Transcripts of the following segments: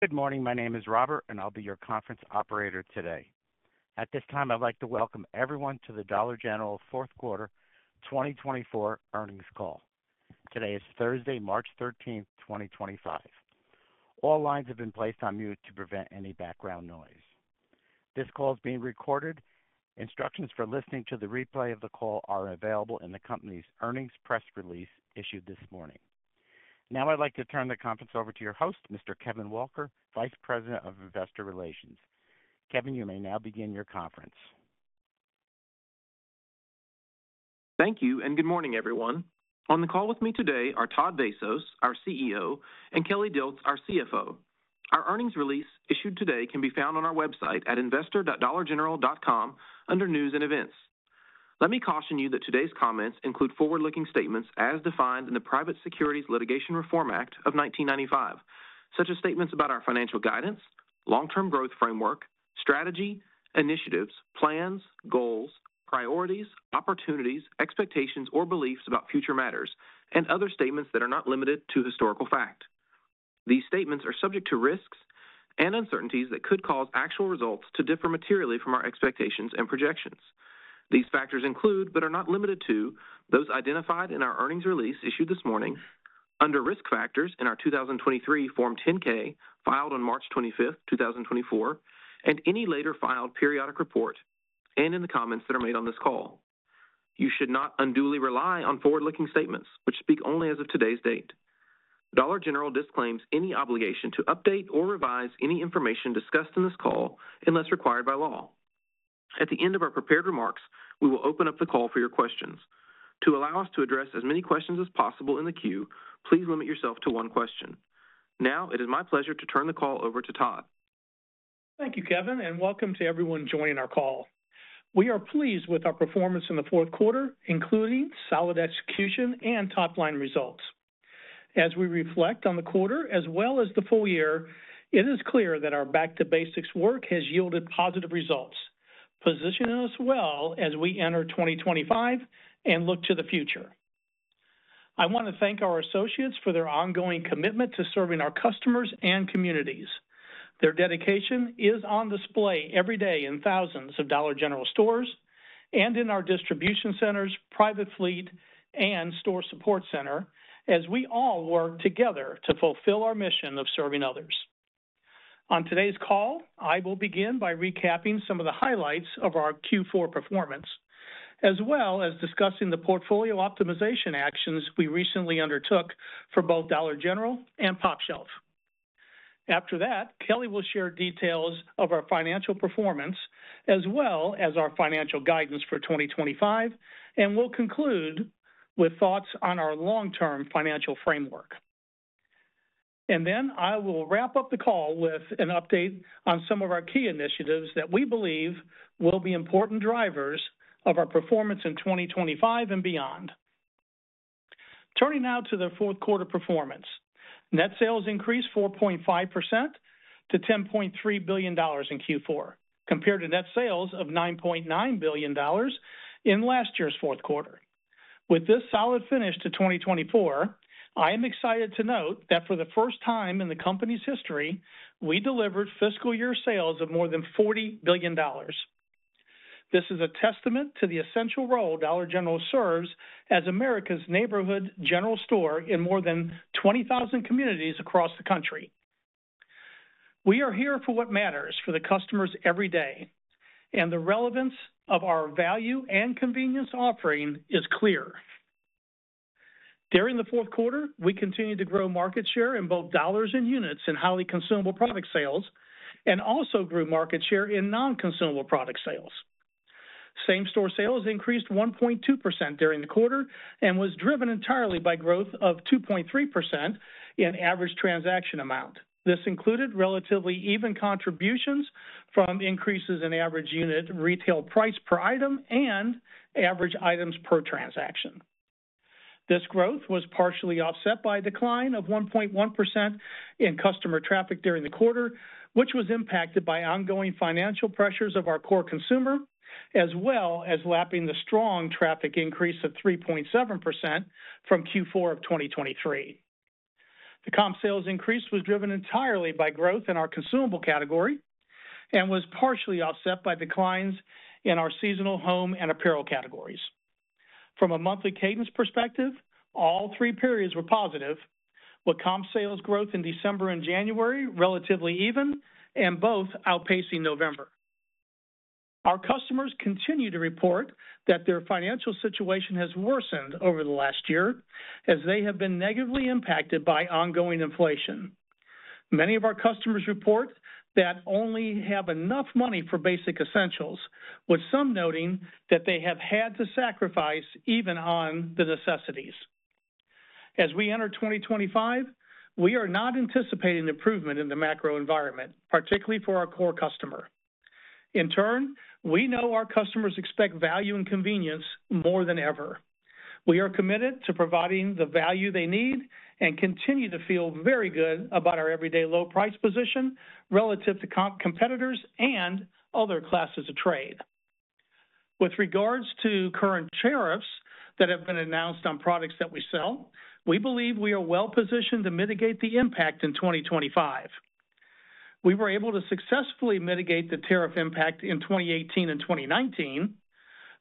Good morning. My name is Robert, and I'll be your conference operator today. At this time, I'd like to welcome everyone to the Dollar General Q4 2024 earnings call. Today is Thursday, March 13, 2025. All lines have been placed on mute to prevent any background noise. This call is being recorded. Instructions for listening to the replay of the call are available in the company's earnings press release issued this morning. Now, I'd like to turn the conference over to your host, Mr. Kevin Walker, Vice President of Investor Relations. Kevin, you may now begin your conference. Thank you and good morning, everyone. On the call with me today are Todd Vasos, our CEO, and Kelly Dilts, our CFO. Our earnings release issued today can be found on our website at investor.dollargeneral.com under News and Events. Let me caution you that today's comments include forward-looking statements as defined in the Private Securities Litigation Reform Act of 1995, such as statements about our financial guidance, long-term growth framework, strategy, initiatives, plans, goals, priorities, opportunities, expectations, or beliefs about future matters, and other statements that are not limited to historical fact. These statements are subject to risks and uncertainties that could cause actual results to differ materially from our expectations and projections. These factors include, but are not limited to, those identified in our earnings release issued this morning, under risk factors in our 2023 Form 10-K filed on March 25th, 2024, and any later filed periodic report, and in the comments that are made on this call. You should not unduly rely on forward-looking statements, which speak only as of today's date. Dollar General disclaims any obligation to update or revise any information discussed in this call unless required by law. At the end of our prepared remarks, we will open up the call for your questions. To allow us to address as many questions as possible in the queue, please limit yourself to one question. Now, it is my pleasure to turn the call over to Todd. Thank you, Kevin, and welcome to everyone joining our call. We are pleased with our performance in the Q4, including solid execution and top-line results. As we reflect on the quarter as well as the full year, it is clear that our back-to-basics work has yielded positive results, positioning us well as we enter 2025 and look to the future. I want to thank our associates for their ongoing commitment to serving our customers and communities. Their dedication is on display every day in thousands of Dollar General stores and in our distribution centers, private fleet, and store support center as we all work together to fulfill our mission of serving others. On today's call, I will begin by recapping some of the highlights of our Q4 performance, as well as discussing the portfolio optimization actions we recently undertook for both Dollar General and popShelf. After that, Kelly will share details of our financial performance, as well as our financial guidance for 2025, and we will conclude with thoughts on our long-term financial framework. I will wrap up the call with an update on some of our key initiatives that we believe will be important drivers of our performance in 2025 and beyond. Turning now to the Q4 performance, net sales increased 4.5% to $10.3 billion in Q4, compared to net sales of $9.9 billion in last year's Q4. With this solid finish to 2024, I am excited to note that for the first time in the company's history, we delivered fiscal year sales of more than $40 billion. This is a testament to the essential role Dollar General serves as America's neighborhood general store in more than 20,000 communities across the country. We are here for what matters for the customers every day, and the relevance of our value and convenience offering is clear. During the Q4, we continued to grow market share in both dollars and units in highly consumable product sales, and also grew market share in non-consumable product sales. Same-store sales increased 1.2% during the quarter and was driven entirely by growth of 2.3% in average transaction amount. This included relatively even contributions from increases in average unit retail price per item and average items per transaction. This growth was partially offset by a decline of 1.1% in customer traffic during the quarter, which was impacted by ongoing financial pressures of our core consumer, as well as lapping the strong traffic increase of 3.7% from Q4 of 2023. The comp sales increase was driven entirely by growth in our consumable category and was partially offset by declines in our seasonal home and apparel categories. From a monthly cadence perspective, all three periods were positive, with comp sales growth in December and January relatively even and both outpacing November. Our customers continue to report that their financial situation has worsened over the last year as they have been negatively impacted by ongoing inflation. Many of our customers report that they only have enough money for basic essentials, with some noting that they have had to sacrifice even on the necessities. As we enter 2025, we are not anticipating improvement in the macro environment, particularly for our core customer. In turn, we know our customers expect value and convenience more than ever. We are committed to providing the value they need and continue to feel very good about our everyday low-price position relative to competitors and other classes of trade. With regards to current tariffs that have been announced on products that we sell, we believe we are well-positioned to mitigate the impact in 2025. We were able to successfully mitigate the tariff impact in 2018 and 2019,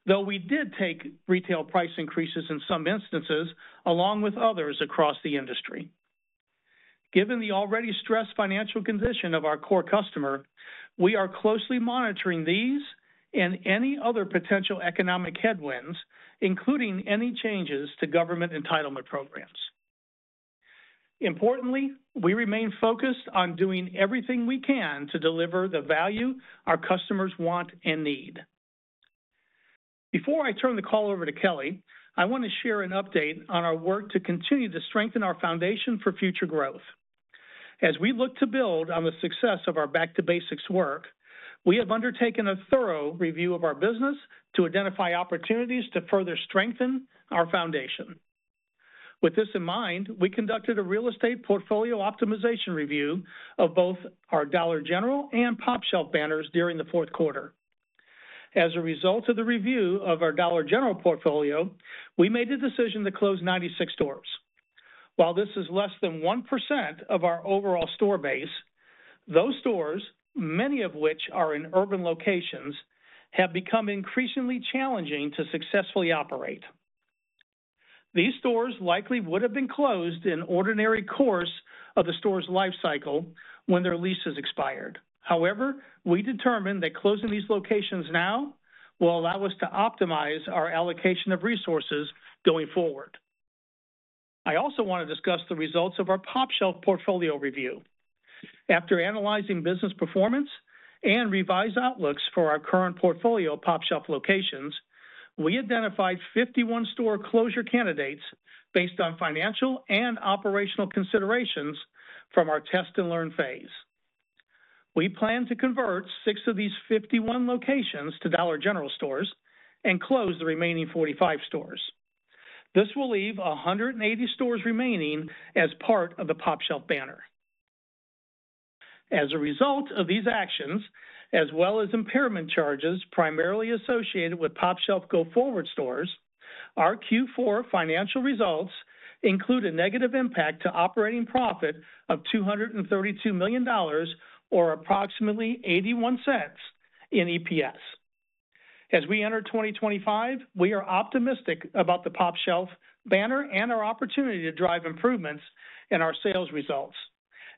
though we did take retail price increases in some instances along with others across the industry. Given the already stressed financial condition of our core customer, we are closely monitoring these and any other potential economic headwinds, including any changes to government entitlement programs. Importantly, we remain focused on doing everything we can to deliver the value our customers want and need. Before I turn the call over to Kelly, I want to share an update on our work to continue to strengthen our foundation for future growth. As we look to build on the success of our back-to-basics work, we have undertaken a thorough review of our business to identify opportunities to further strengthen our foundation. With this in mind, we conducted a real estate portfolio optimization review of both our Dollar General and popShelf banners during the Q4. As a result of the review of our Dollar General portfolio, we made the decision to close 96 stores. While this is less than 1% of our overall store base, those stores, many of which are in urban locations, have become increasingly challenging to successfully operate. These stores likely would have been closed in ordinary course of the store's lifecycle when their lease has expired. However, we determined that closing these locations now will allow us to optimize our allocation of resources going forward. I also want to discuss the results of our popShelf portfolio review. After analyzing business performance and revised outlooks for our current portfolio of popShelf locations, we identified 51 store closure candidates based on financial and operational considerations from our test-and-learn phase. We plan to convert six of these 51 locations to Dollar General stores and close the remaining 45 stores. This will leave 180 stores remaining as part of the popShelf banner. As a result of these actions, as well as impairment charges primarily associated with popShelf go-forward stores, our Q4 financial results include a negative impact to operating profit of $232 million or approximately $0.81 in EPS. As we enter 2025, we are optimistic about the popShelf banner and our opportunity to drive improvements in our sales results,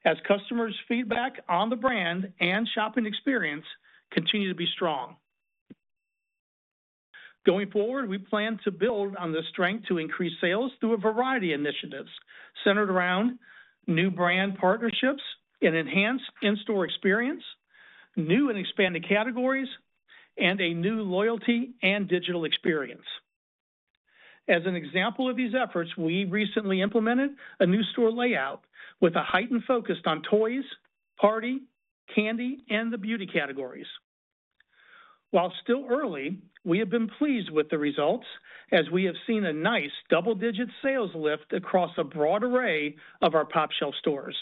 as customers' feedback on the brand and shopping experience continue to be strong. Going forward, we plan to build on this strength to increase sales through a variety of initiatives centered around new brand partnerships and enhanced in-store experience, new and expanded categories, and a new loyalty and digital experience. As an example of these efforts, we recently implemented a new store layout with a heightened focus on toys, party, candy, and the beauty categories. While still early, we have been pleased with the results, as we have seen a nice double-digit sales lift across a broad array of our popShelf stores.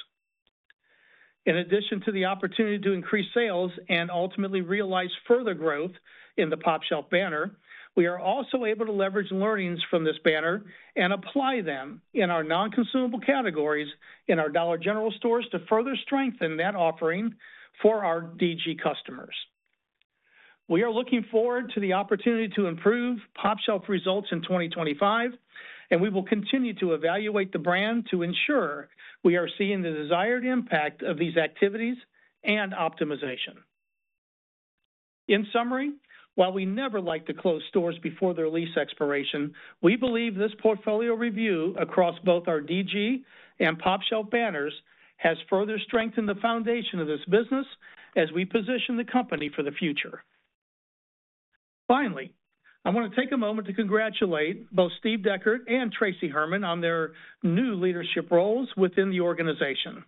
In addition to the opportunity to increase sales and ultimately realize further growth in the popShelf banner, we are also able to leverage learnings from this banner and apply them in our non-consumable categories in our Dollar General stores to further strengthen that offering for our DG customers. We are looking forward to the opportunity to improve popShelf results in 2025, and we will continue to evaluate the brand to ensure we are seeing the desired impact of these activities and optimization. In summary, while we never like to close stores before their lease expiration, we believe this portfolio review across both our DG and popShelf banners has further strengthened the foundation of this business as we position the company for the future. Finally, I want to take a moment to congratulate both Steve Deckert and Tracy Herrmann on their new leadership roles within the organization.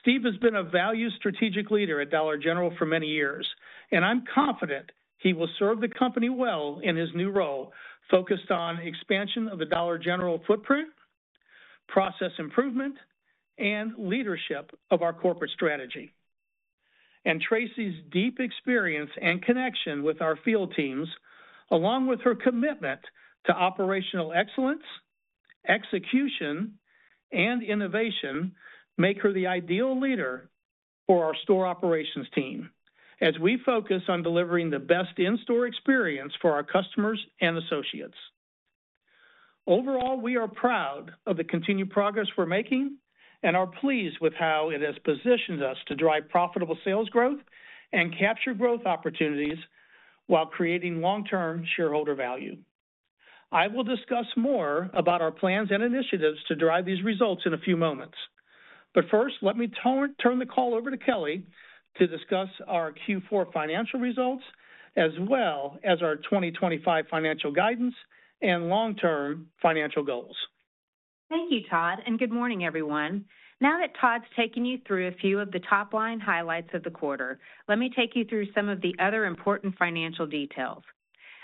Steve has been a valued strategic leader at Dollar General for many years, and I'm confident he will serve the company well in his new role focused on expansion of the Dollar General footprint, process improvement, and leadership of our corporate strategy. Tracy's deep experience and connection with our field teams, along with her commitment to operational excellence, execution, and innovation, make her the ideal leader for our store operations team as we focus on delivering the best in-store experience for our customers and associates. Overall, we are proud of the continued progress we're making and are pleased with how it has positioned us to drive profitable sales growth and capture growth opportunities while creating long-term shareholder value. I will discuss more about our plans and initiatives to drive these results in a few moments. First, let me turn the call over to Kelly to discuss our Q4 financial results, as well as our 2025 financial guidance and long-term financial goals. Thank you, Todd. Good morning, everyone. Now that Todd's taken you through a few of the top-line highlights of the quarter, let me take you through some of the other important financial details.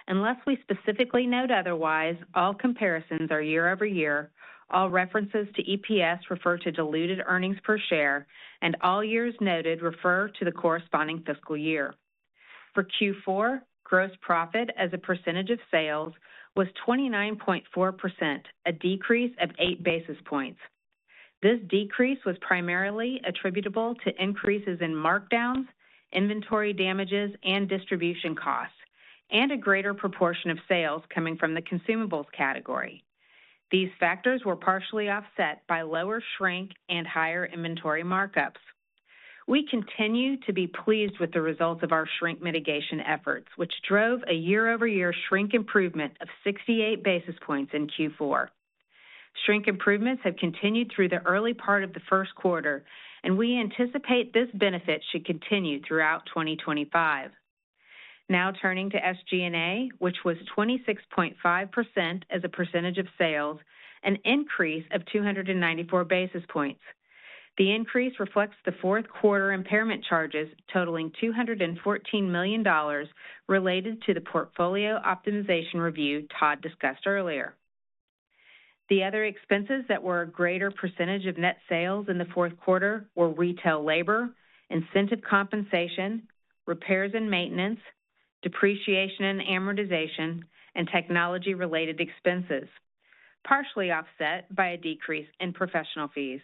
Unless we specifically note otherwise, all comparisons are year-over-year, all references to EPS refer to diluted earnings per share, and all years noted refer to the corresponding fiscal year. For Q4, gross profit as a percentage of sales was 29.4%, a decrease of eight basis points. This decrease was primarily attributable to increases in markdowns, inventory damages, and distribution costs, and a greater proportion of sales coming from the consumables category. These factors were partially offset by lower shrink and higher inventory markups. We continue to be pleased with the results of our shrink mitigation efforts, which drove a year-over-year shrink improvement of 68 basis points in Q4. Shrink improvements have continued through the early part of the first quarter, and we anticipate this benefit should continue throughout 2025. Now turning to SG&A, which was 26.5% as a percentage of sales, an increase of 294 basis points. The increase reflects the Q4 impairment charges totaling $214 million related to the portfolio optimization review Todd discussed earlier. The other expenses that were a greater percentage of net sales in the Q4 were retail labor, incentive compensation, repairs and maintenance, depreciation and amortization, and technology-related expenses, partially offset by a decrease in professional fees.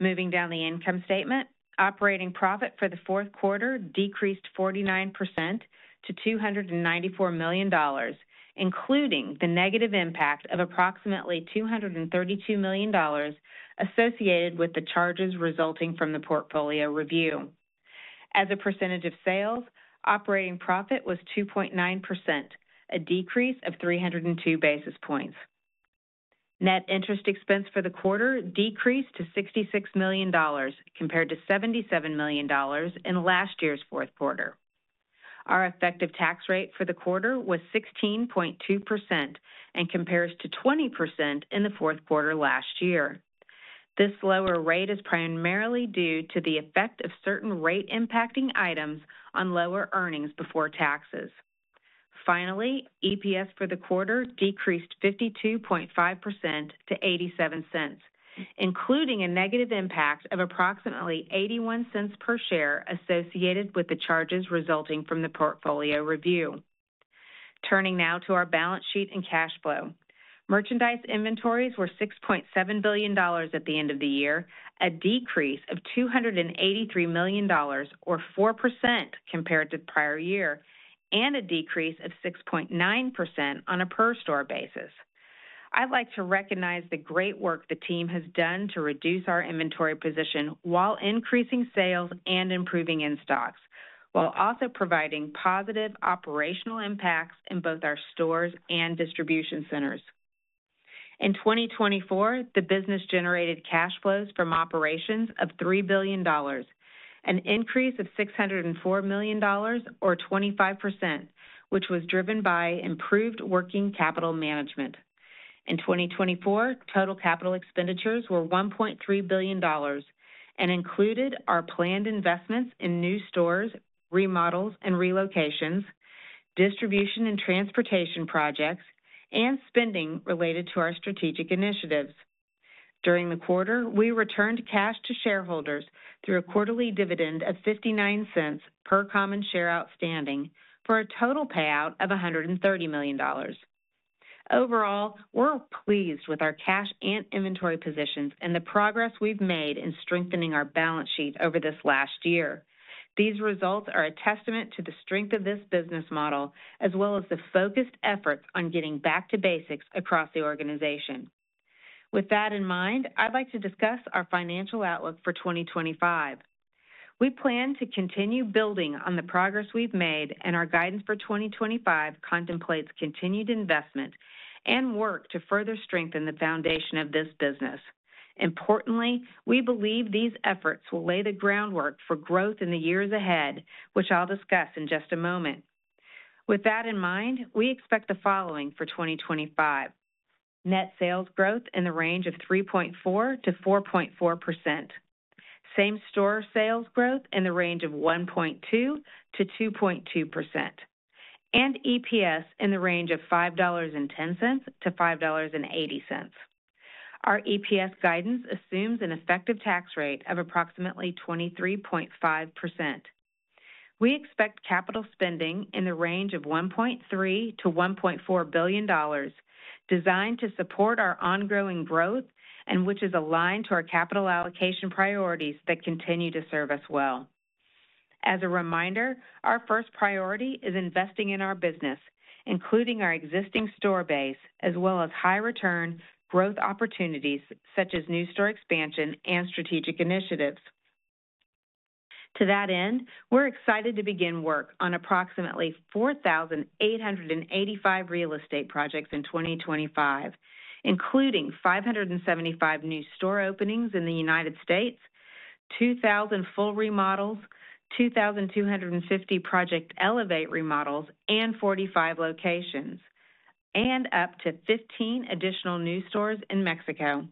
Moving down the income statement, operating profit for the Q4 decreased 49% to $294 million, including the negative impact of approximately $232 million associated with the charges resulting from the portfolio review. As a percentage of sales, operating profit was 2.9%, a decrease of 302 basis points. Net interest expense for the quarter decreased to $66 million, compared to $77 million in last year's Q4. Our effective tax rate for the quarter was 16.2% and compares to 20% in the Q4 last year. This lower rate is primarily due to the effect of certain rate-impacting items on lower earnings before taxes. Finally, EPS for the quarter decreased 52.5% to $0.87, including a negative impact of approximately $0.81 per share associated with the charges resulting from the portfolio review. Turning now to our balance sheet and cash flow. Merchandise inventories were $6.7 billion at the end of the year, a decrease of $283 million, or 4% compared to the prior year, and a decrease of 6.9% on a per-store basis. I'd like to recognize the great work the team has done to reduce our inventory position while increasing sales and improving in-stocks, while also providing positive operational impacts in both our stores and distribution centers. In 2024, the business generated cash flows from operations of $3 billion, an increase of $604 million, or 25%, which was driven by improved working capital management. In 2024, total capital expenditures were $1.3 billion and included our planned investments in new stores, remodels and relocations, distribution and transportation projects, and spending related to our strategic initiatives. During the quarter, we returned cash to shareholders through a quarterly dividend of $0.59 per common share outstanding for a total payout of $130 million. Overall, we're pleased with our cash and inventory positions and the progress we've made in strengthening our balance sheet over this last year. These results are a testament to the strength of this business model, as well as the focused efforts on getting back to basics across the organization. With that in mind, I'd like to discuss our financial outlook for 2025. We plan to continue building on the progress we've made, and our guidance for 2025 contemplates continued investment and work to further strengthen the foundation of this business. Importantly, we believe these efforts will lay the groundwork for growth in the years ahead, which I'll discuss in just a moment. With that in mind, we expect the following for 2025: net sales growth in the range of 3.4%-4.4%, same-store sales growth in the range of 1.2%-2.2%, and EPS in the range of $5.10-$5.80. Our EPS guidance assumes an effective tax rate of approximately 23.5%. We expect capital spending in the range of $1.3-$1.4 billion, designed to support our ongoing growth and which is aligned to our capital allocation priorities that continue to serve us well. As a reminder, our first priority is investing in our business, including our existing store base, as well as high-return growth opportunities such as new store expansion and strategic initiatives. To that end, we're excited to begin work on approximately 4,885 real estate projects in 2025, including 575 new store openings in the U.S., 2,000 full remodels, 2,250 Project Elevate remodels, and 45 locations, and up to 15 additional new stores in Mexico.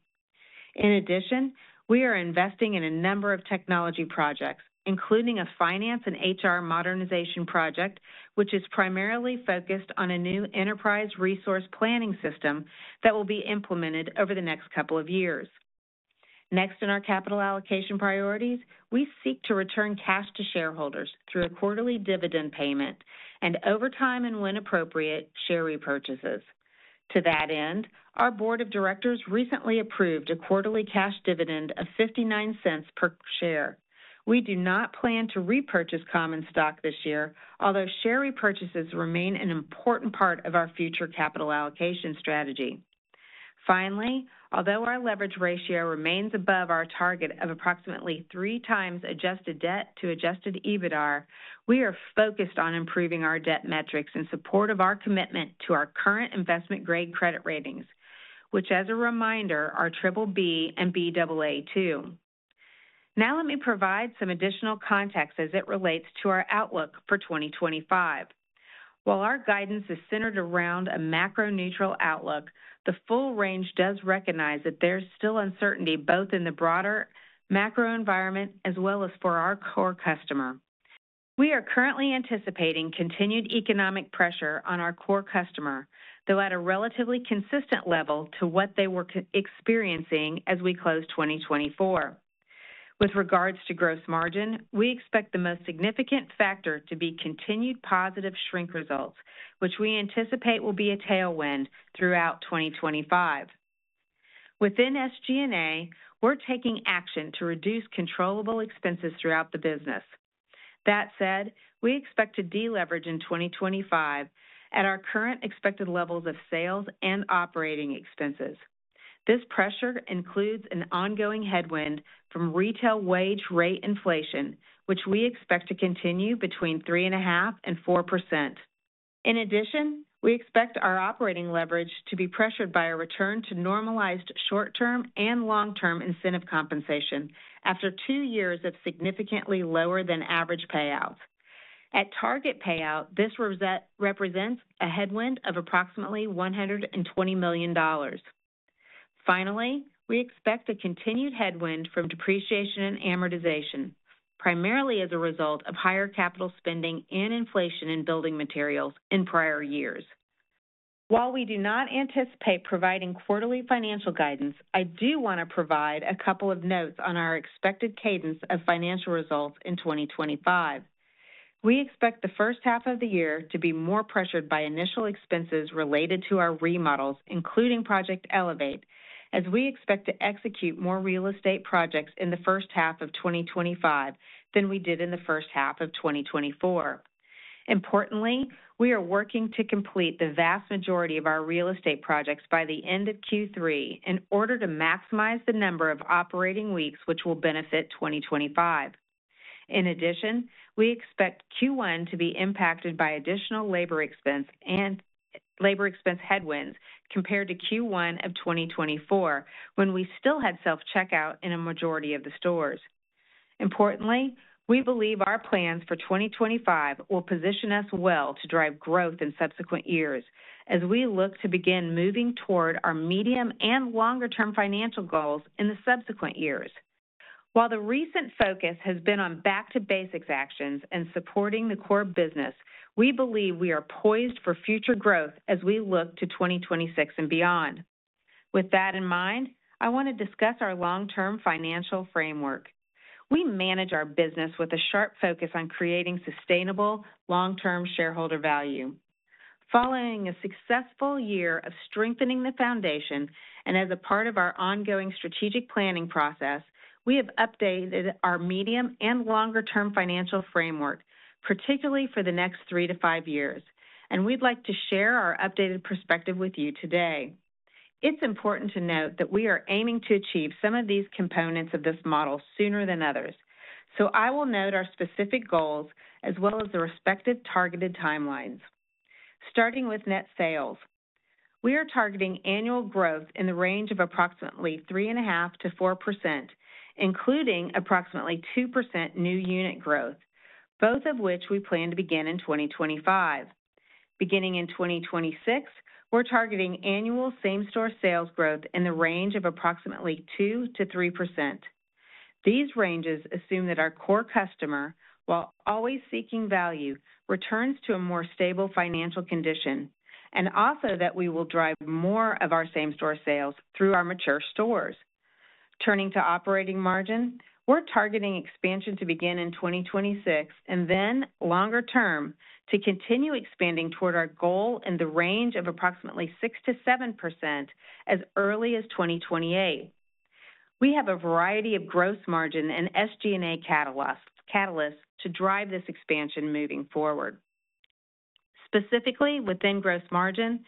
In addition, we are investing in a number of technology projects, including a finance and HR modernization project, which is primarily focused on a new enterprise resource planning system that will be implemented over the next couple of years. Next in our capital allocation priorities, we seek to return cash to shareholders through a quarterly dividend payment and, over time and when appropriate, share repurchases. To that end, our board of directors recently approved a quarterly cash dividend of $0.59 per share. We do not plan to repurchase common stock this year, although share repurchases remain an important part of our future capital allocation strategy. Finally, although our leverage ratio remains above our target of approximately three times adjusted debt to adjusted EBITDA, we are focused on improving our debt metrics in support of our commitment to our current investment-grade credit ratings, which, as a reminder, are BBB and Baa2. Now let me provide some additional context as it relates to our outlook for 2025. While our guidance is centered around a macro-neutral outlook, the full range does recognize that there's still uncertainty both in the broader macro environment as well as for our core customer. We are currently anticipating continued economic pressure on our core customer, though at a relatively consistent level to what they were experiencing as we closed 2024. With regards to gross margin, we expect the most significant factor to be continued positive shrink results, which we anticipate will be a tailwind throughout 2025. Within SG&A, we're taking action to reduce controllable expenses throughout the business. That said, we expect to deleverage in 2025 at our current expected levels of sales and operating expenses. This pressure includes an ongoing headwind from retail wage rate inflation, which we expect to continue between 3.5%-4%. In addition, we expect our operating leverage to be pressured by a return to normalized short-term and long-term incentive compensation after two years of significantly lower than average payouts. At target payout, this represents a headwind of approximately $120 million. Finally, we expect a continued headwind from depreciation and amortization, primarily as a result of higher capital spending and inflation in building materials in prior years. While we do not anticipate providing quarterly financial guidance, I do want to provide a couple of notes on our expected cadence of financial results in 2025. We expect the first half of the year to be more pressured by initial expenses related to our remodels, including Project Elevate, as we expect to execute more real estate projects in the first half of 2025 than we did in the first half of 2024. Importantly, we are working to complete the vast majority of our real estate projects by the end of Q3 in order to maximize the number of operating weeks which will benefit 2025. In addition, we expect Q1 to be impacted by additional labor expense and labor expense headwinds compared to Q1 of 2024, when we still had self-checkout in a majority of the stores. Importantly, we believe our plans for 2025 will position us well to drive growth in subsequent years as we look to begin moving toward our medium and longer-term financial goals in the subsequent years. While the recent focus has been on back-to-basics actions and supporting the core business, we believe we are poised for future growth as we look to 2026 and beyond. With that in mind, I want to discuss our long-term financial framework. We manage our business with a sharp focus on creating sustainable long-term shareholder value. Following a successful year of strengthening the foundation and as a part of our ongoing strategic planning process, we have updated our medium and longer-term financial framework, particularly for the next three to five years, and we'd like to share our updated perspective with you today. It's important to note that we are aiming to achieve some of these components of this model sooner than others, so I will note our specific goals as well as the respective targeted timelines. starting with net sales, we are targeting annual growth in the range of approximately 3.5%-4%, including approximately 2% new unit growth, both of which we plan to begin in 2025. Beginning in 2026, we're targeting annual same-store sales growth in the range of approximately 2%-3%. These ranges assume that our core customer, while always seeking value, returns to a more stable financial condition, and also that we will drive more of our same-store sales through our mature stores. Turning to operating margin, we're targeting expansion to begin in 2026 and then longer-term to continue expanding toward our goal in the range of approximately 6%-7% as early as 2028. We have a variety of gross margin and SG&A catalysts to drive this expansion moving forward. Specifically, within gross margin,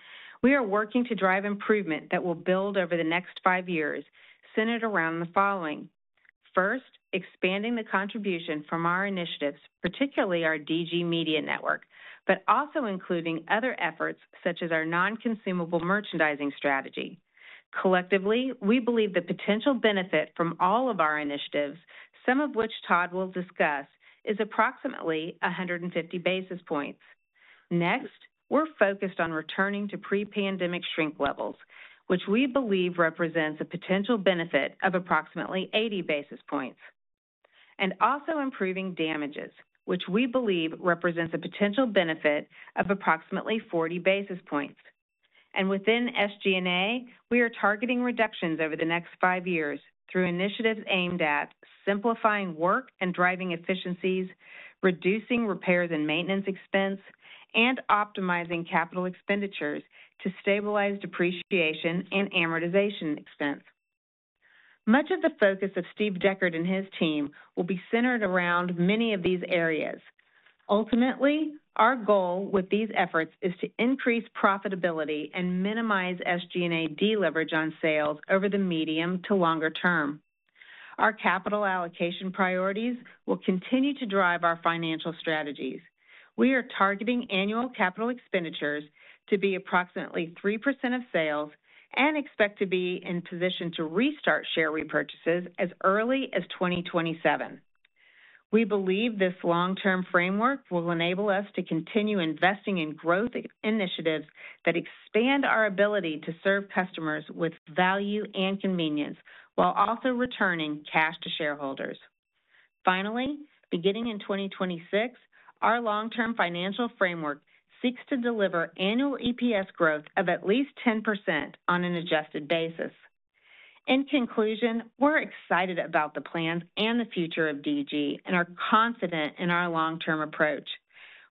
we are working to drive improvement that will build over the next five years, centered around the following: first, expanding the contribution from our initiatives, particularly our DG Media Network, but also including other efforts such as our non-consumable merchandising strategy. Collectively, we believe the potential benefit from all of our initiatives, some of which Todd will discuss, is approximately 150 basis points. Next, we're focused on returning to pre-pandemic shrink levels, which we believe represents a potential benefit of approximately 80 basis points, and also improving damages, which we believe represents a potential benefit of approximately 40 basis points. Within SG&A, we are targeting reductions over the next five years through initiatives aimed at simplifying work and driving efficiencies, reducing repairs and maintenance expense, and optimizing capital expenditures to stabilize depreciation and amortization expense. Much of the focus of Steve Deckert and his team will be centered around many of these areas. Ultimately, our goal with these efforts is to increase profitability and minimize SG&A deleverage on sales over the medium to longer term. Our capital allocation priorities will continue to drive our financial strategies. We are targeting annual capital expenditures to be approximately 3% of sales and expect to be in position to restart share repurchases as early as 2027. We believe this long-term framework will enable us to continue investing in growth initiatives that expand our ability to serve customers with value and convenience while also returning cash to shareholders. Finally, beginning in 2026, our long-term financial framework seeks to deliver annual EPS growth of at least 10% on an adjusted basis. In conclusion, we're excited about the plans and the future of DG and are confident in our long-term approach.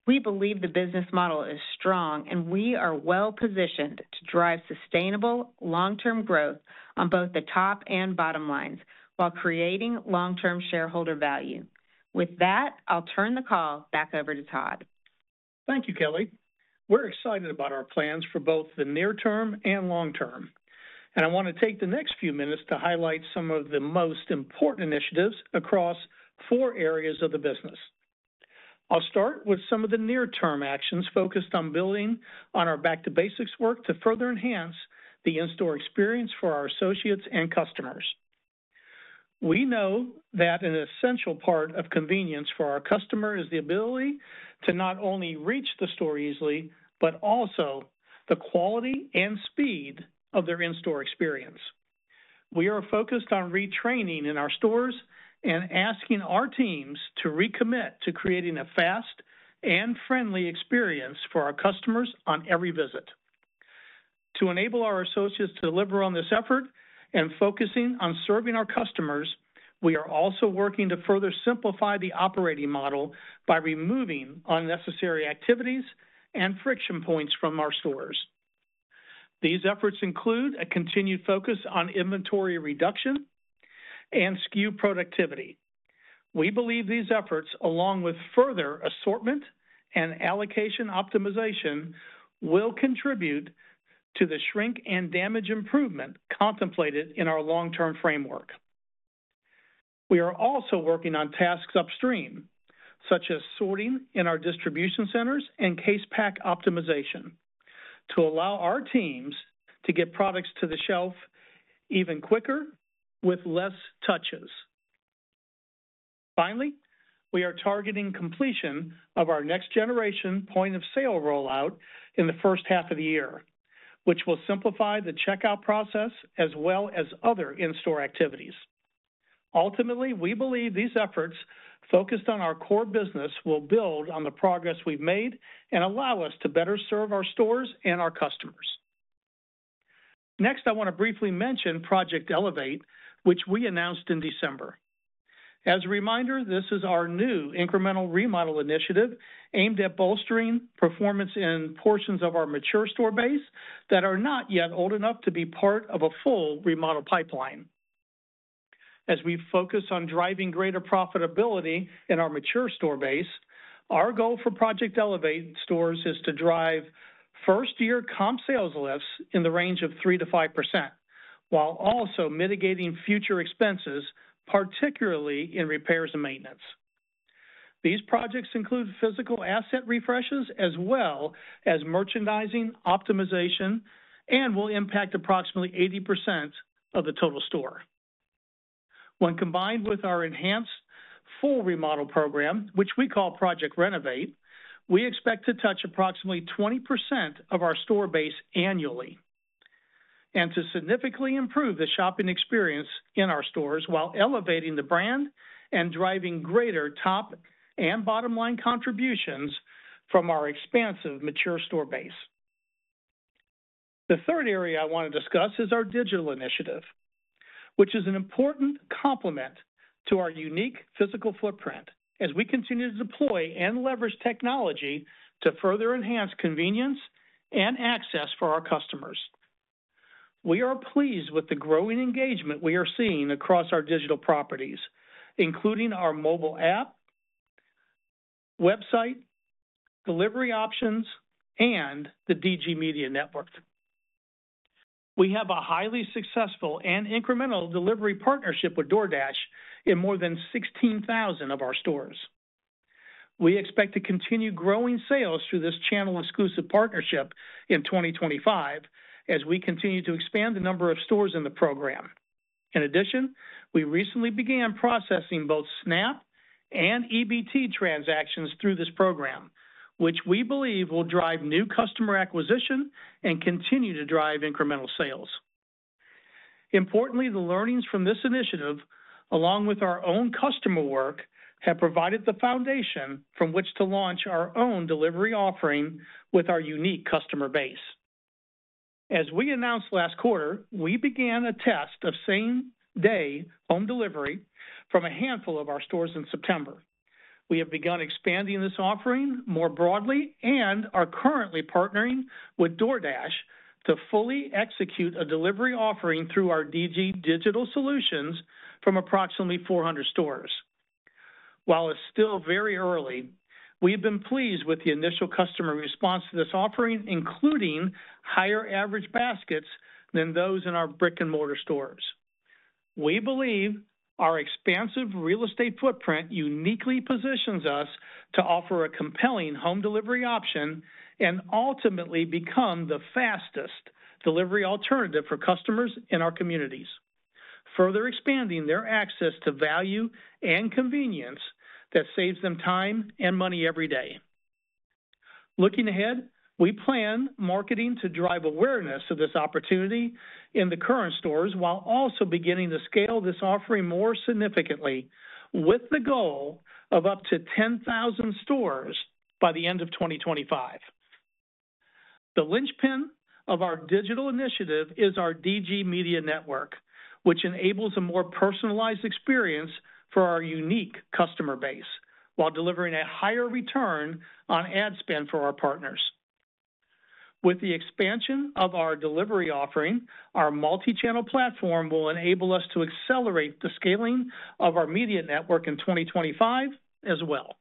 We believe the business model is strong and we are well-positioned to drive sustainable long-term growth on both the top and bottom lines while creating long-term shareholder value. With that, I'll turn the call back over to Todd. Thank you, Kelly. We're excited about our plans for both the near-term and long-term, and I want to take the next few minutes to highlight some of the most important initiatives across four areas of the business. I'll start with some of the near-term actions focused on building on our back-to-basics work to further enhance the in-store experience for our associates and customers. We know that an essential part of convenience for our customer is the ability to not only reach the store easily, but also the quality and speed of their in-store experience. We are focused on retraining in our stores and asking our teams to recommit to creating a fast and friendly experience for our customers on every visit. To enable our associates to deliver on this effort and focusing on serving our customers, we are also working to further simplify the operating model by removing unnecessary activities and friction points from our stores. These efforts include a continued focus on inventory reduction and SKU productivity. We believe these efforts, along with further assortment and allocation optimization, will contribute to the shrink and damage improvement contemplated in our long-term framework. We are also working on tasks upstream, such as sorting in our distribution centers and case pack optimization, to allow our teams to get products to the shelf even quicker with less touches. Finally, we are targeting completion of our next-generation point-of-sale rollout in the first half of the year, which will simplify the checkout process as well as other in-store activities. Ultimately, we believe these efforts focused on our core business will build on the progress we've made and allow us to better serve our stores and our customers. Next, I want to briefly mention Project Elevate, which we announced in December. As a reminder, this is our new incremental remodel initiative aimed at bolstering performance in portions of our mature store base that are not yet old enough to be part of a full remodel pipeline. As we focus on driving greater profitability in our mature store base, our goal for Project Elevate stores is to drive first-year comp sales lifts in the range of 3%-5%, while also mitigating future expenses, particularly in repairs and maintenance. These projects include physical asset refreshes as well as merchandising optimization and will impact approximately 80% of the total store. When combined with our enhanced full remodel program, which we call Project Renovate, we expect to touch approximately 20% of our store base annually and to significantly improve the shopping experience in our stores while elevating the brand and driving greater top and bottom line contributions from our expansive mature store base. The third area I want to discuss is our digital initiative, which is an important complement to our unique physical footprint as we continue to deploy and leverage technology to further enhance convenience and access for our customers. We are pleased with the growing engagement we are seeing across our digital properties, including our mobile app, website, delivery options, and the DG Media Network. We have a highly successful and incremental delivery partnership with DoorDash in more than 16,000 of our stores. We expect to continue growing sales through this channel exclusive partnership in 2025 as we continue to expand the number of stores in the program. In addition, we recently began processing both SNAP and EBT transactions through this program, which we believe will drive new customer acquisition and continue to drive incremental sales. Importantly, the learnings from this initiative, along with our own customer work, have provided the foundation from which to launch our own delivery offering with our unique customer base. As we announced last quarter, we began a test of same-day home delivery from a handful of our stores in September. We have begun expanding this offering more broadly and are currently partnering with DoorDash to fully execute a delivery offering through our DG digital solutions from approximately 400 stores. While it's still very early, we have been pleased with the initial customer response to this offering, including higher average baskets than those in our brick-and-mortar stores. We believe our expansive real estate footprint uniquely positions us to offer a compelling home delivery option and ultimately become the fastest delivery alternative for customers in our communities, further expanding their access to value and convenience that saves them time and money every day. Looking ahead, we plan marketing to drive awareness of this opportunity in the current stores while also beginning to scale this offering more significantly with the goal of up to 10,000 stores by the end of 2025. The linchpin of our digital initiative is our DG Media Network, which enables a more personalized experience for our unique customer base while delivering a higher return on ad spend for our partners. With the expansion of our delivery offering, our multi-channel platform will enable us to accelerate the scaling of our media network in 2025 as well.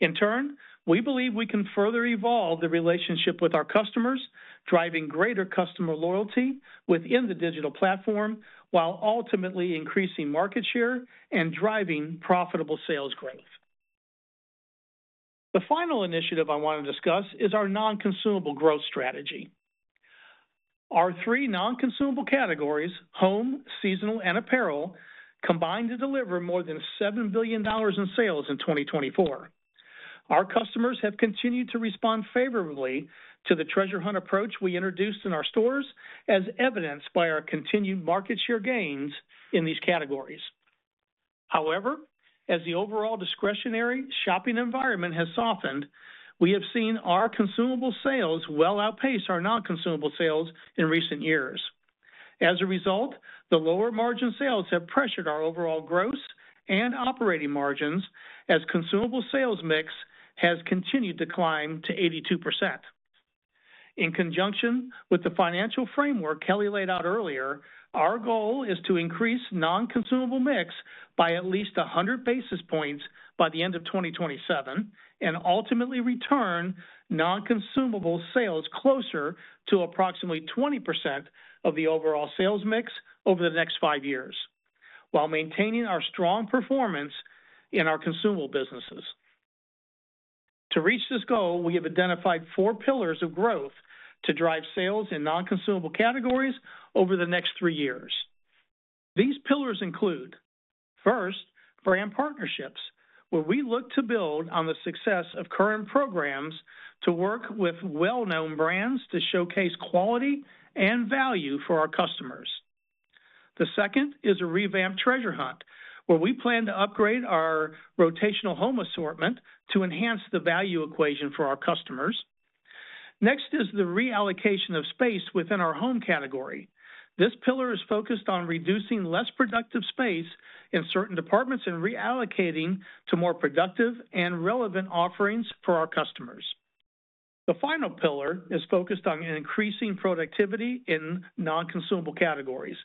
In turn, we believe we can further evolve the relationship with our customers, driving greater customer loyalty within the digital platform while ultimately increasing market share and driving profitable sales growth. The final initiative I want to discuss is our non-consumable growth strategy. Our three non-consumable categories, home, seasonal, and apparel, combined to deliver more than $7 billion in sales in 2024. Our customers have continued to respond favorably to the treasure hunt approach we introduced in our stores, as evidenced by our continued market share gains in these categories. However, as the overall discretionary shopping environment has softened, we have seen our consumable sales well outpace our non-consumable sales in recent years. As a result, the lower margin sales have pressured our overall gross and operating margins as consumable sales mix has continued to climb to 82%. In conjunction with the financial framework Kelly laid out earlier, our goal is to increase non-consumable mix by at least 100 basis points by the end of 2027 and ultimately return non-consumable sales closer to approximately 20% of the overall sales mix over the next five years while maintaining our strong performance in our consumable businesses. To reach this goal, we have identified four pillars of growth to drive sales in non-consumable categories over the next three years. These pillars include: first, brand partnerships, where we look to build on the success of current programs to work with well-known brands to showcase quality and value for our customers. The second is a revamped treasure hunt, where we plan to upgrade our rotational home assortment to enhance the value equation for our customers. Next is the reallocation of space within our home category. This pillar is focused on reducing less productive space in certain departments and reallocating to more productive and relevant offerings for our customers. The final pillar is focused on increasing productivity in non-consumable categories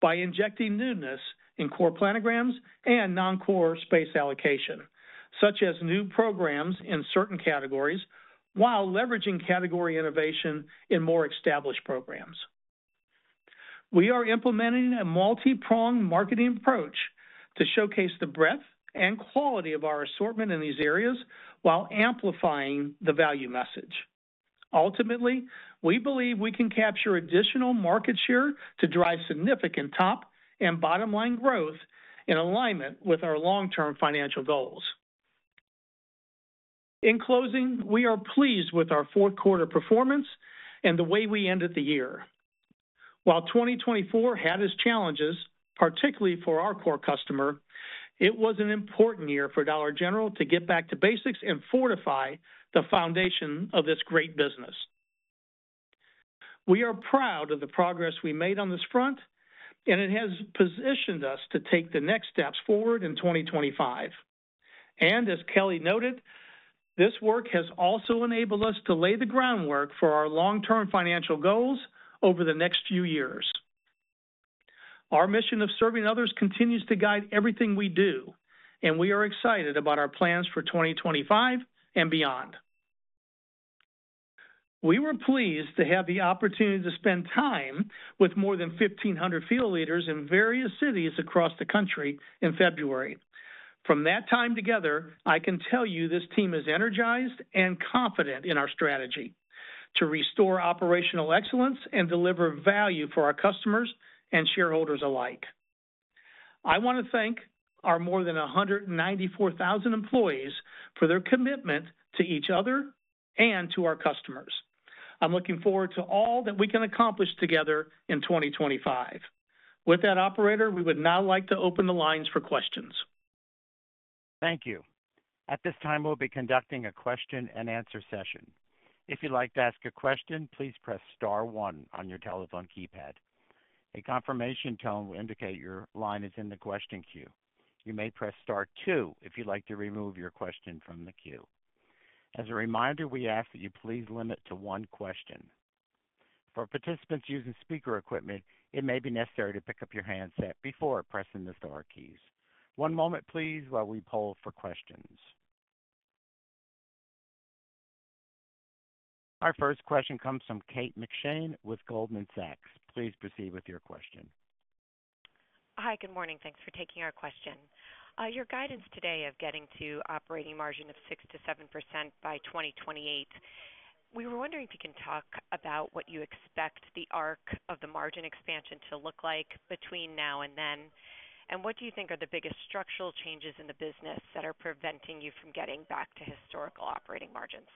by injecting newness in core planograms and non-core space allocation, such as new programs in certain categories while leveraging category innovation in more established programs. We are implementing a multi-pronged marketing approach to showcase the breadth and quality of our assortment in these areas while amplifying the value message. Ultimately, we believe we can capture additional market share to drive significant top and bottom line growth in alignment with our long-term financial goals. In closing, we are pleased with our Q4 performance and the way we ended the year. While 2024 had its challenges, particularly for our core customer, it was an important year for Dollar General to get back to basics and fortify the foundation of this great business. We are proud of the progress we made on this front, and it has positioned us to take the next steps forward in 2025. As Kelly noted, this work has also enabled us to lay the groundwork for our long-term financial goals over the next few years. Our mission of serving others continues to guide everything we do, and we are excited about our plans for 2025 and beyond. We were pleased to have the opportunity to spend time with more than 1,500 field leaders in various cities across the country in February. From that time together, I can tell you this team is energized and confident in our strategy to restore operational excellence and deliver value for our customers and shareholders alike. I want to thank our more than 194,000 employees for their commitment to each other and to our customers. I'm looking forward to all that we can accomplish together in 2025. With that, Operator, we would now like to open the lines for questions. Thank you. At this time, we'll be conducting a question-and-answer session. If you'd like to ask a question, please press star 1 on your telephone keypad. A confirmation tone will indicate your line is in the question queue. You may press star two if you'd like to remove your question from the queue. As a reminder, we ask that you please limit to one question. For participants using speaker equipment, it may be necessary to pick up your handset before pressing the star keys. One moment, please, while we poll for questions. Our first question comes from Kate McShane with Goldman Sachs. Please proceed with your question. Hi, good morning. Thanks for taking our question. Your guidance today of getting to operating margin of 6%-7% by 2028. We were wondering if you can talk about what you expect the arc of the margin expansion to look like between now and then, and what do you think are the biggest structural changes in the business that are preventing you from getting back to historical operating margins?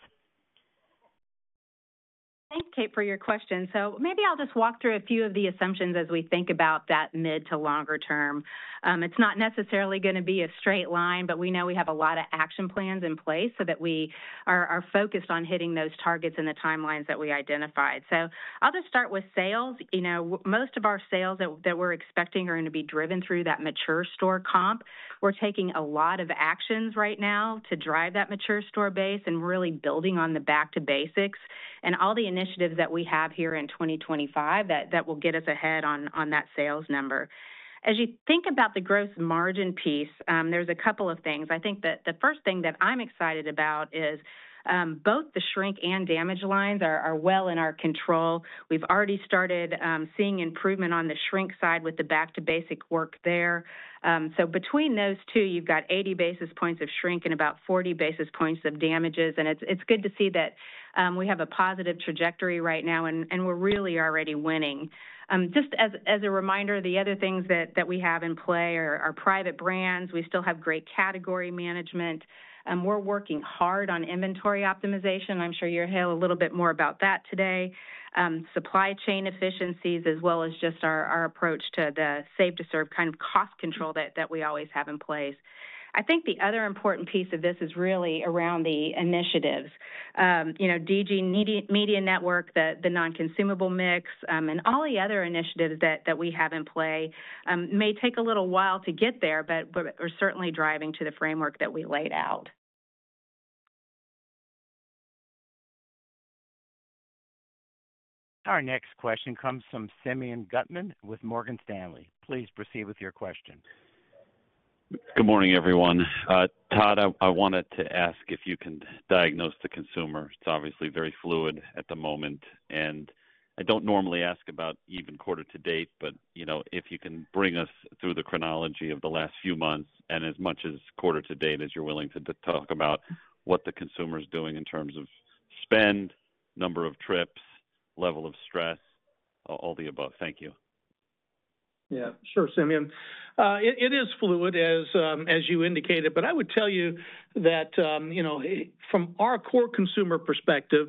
Thanks, Kate, for your question. Maybe I'll just walk through a few of the assumptions as we think about that mid to longer term. It's not necessarily going to be a straight line, but we know we have a lot of action plans in place so that we are focused on hitting those targets and the timelines that we identified. I'll just start with sales. Most of our sales that we're expecting are going to be driven through that mature store comp. We're taking a lot of actions right now to drive that mature store base and really building on the back to basics and all the initiatives that we have here in 2025 that will get us ahead on that sales number. As you think about the gross margin piece, there's a couple of things. I think that the first thing that I'm excited about is both the shrink and damage lines are well in our control. We've already started seeing improvement on the shrink side with the back to basic work there. Between those two, you've got 80 basis points of shrink and about 40 basis points of damages. It's good to see that we have a positive trajectory right now, and we're really already winning. Just as a reminder, the other things that we have in play are private brands. We still have great category management. We're working hard on inventory optimization. I'm sure you'll hear a little bit more about that today. Supply chain efficiencies, as well as just our approach to the safe-to-serve kind of cost control that we always have in place. I think the other important piece of this is really around the initiatives. DG Media Network, the non-consumable mix, and all the other initiatives that we have in play may take a little while to get there, but we're certainly driving to the framework that we laid out. Our next question comes from Simeon Gutman with Morgan Stanley. Please proceed with your question. Good morning, everyone. Todd, I wanted to ask if you can diagnose the consumer. It's obviously very fluid at the moment, and I don't normally ask about even quarter to date, but if you can bring us through the chronology of the last few months and as much as quarter to date as you're willing to talk about what the consumer is doing in terms of spend, number of trips, level of stress, all the above. Thank you. Yeah, sure, Simeon. It is fluid, as you indicated, but I would tell you that from our core consumer perspective,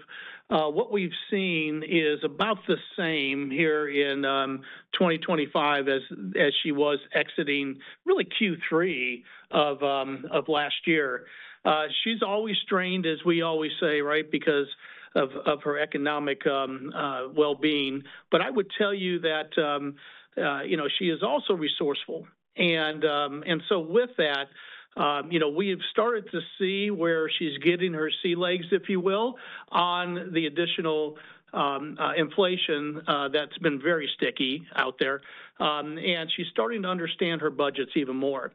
what we've seen is about the same here in 2025 as she was exiting really Q3 of last year. She's always strained, as we always say, right, because of her economic well-being. I would tell you that she is also resourceful. With that, we have started to see where she's getting her sea legs, if you will, on the additional inflation that's been very sticky out there. She's starting to understand her budgets even more.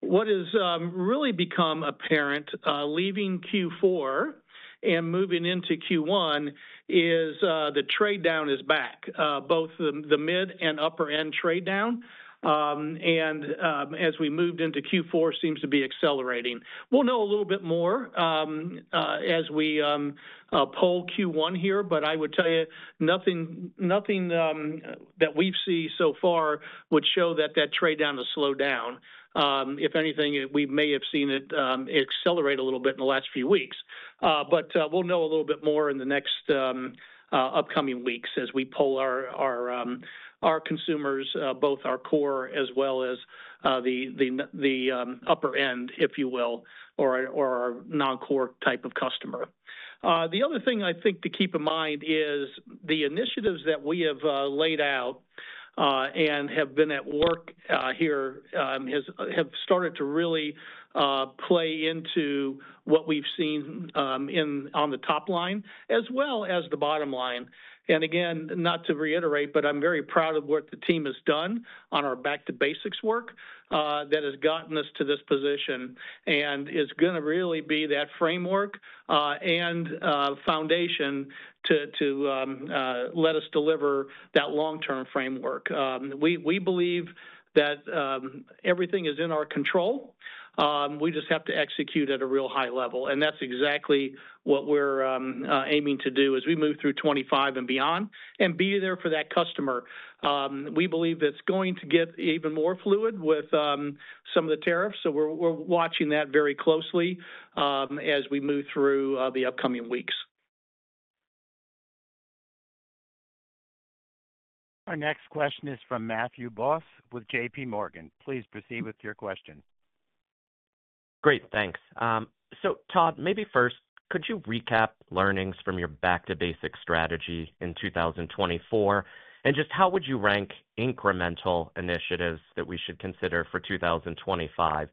What has really become apparent, leaving Q4 and moving into Q1, is the trade down is back. Both the mid and upper end trade down, and as we moved into Q4, seems to be accelerating. We'll know a little bit more as we poll Q1 here, but I would tell you nothing that we've seen so far would show that that trade down has slowed down. If anything, we may have seen it accelerate a little bit in the last few weeks. We'll know a little bit more in the next upcoming weeks as we poll our consumers, both our core as well as the upper end, if you will, or our non-core type of customer. The other thing I think to keep in mind is the initiatives that we have laid out and have been at work here have started to really play into what we've seen on the top line as well as the bottom line. Again, not to reiterate, but I'm very proud of what the team has done on our back to basics work that has gotten us to this position and is going to really be that framework and foundation to let us deliver that long-term framework. We believe that everything is in our control. We just have to execute at a real high level. That's exactly what we're aiming to do as we move through 2025 and beyond and be there for that customer. We believe that's going to get even more fluid with some of the tariffs. We are watching that very closely as we move through the upcoming weeks. Our next question is from Matthew Boss with JPMorgan. Please proceed with your question. Great. Thanks. Todd, maybe first, could you recap learnings from your back-to-basic strategy in 2024? Just how would you rank incremental initiatives that we should consider for 2025?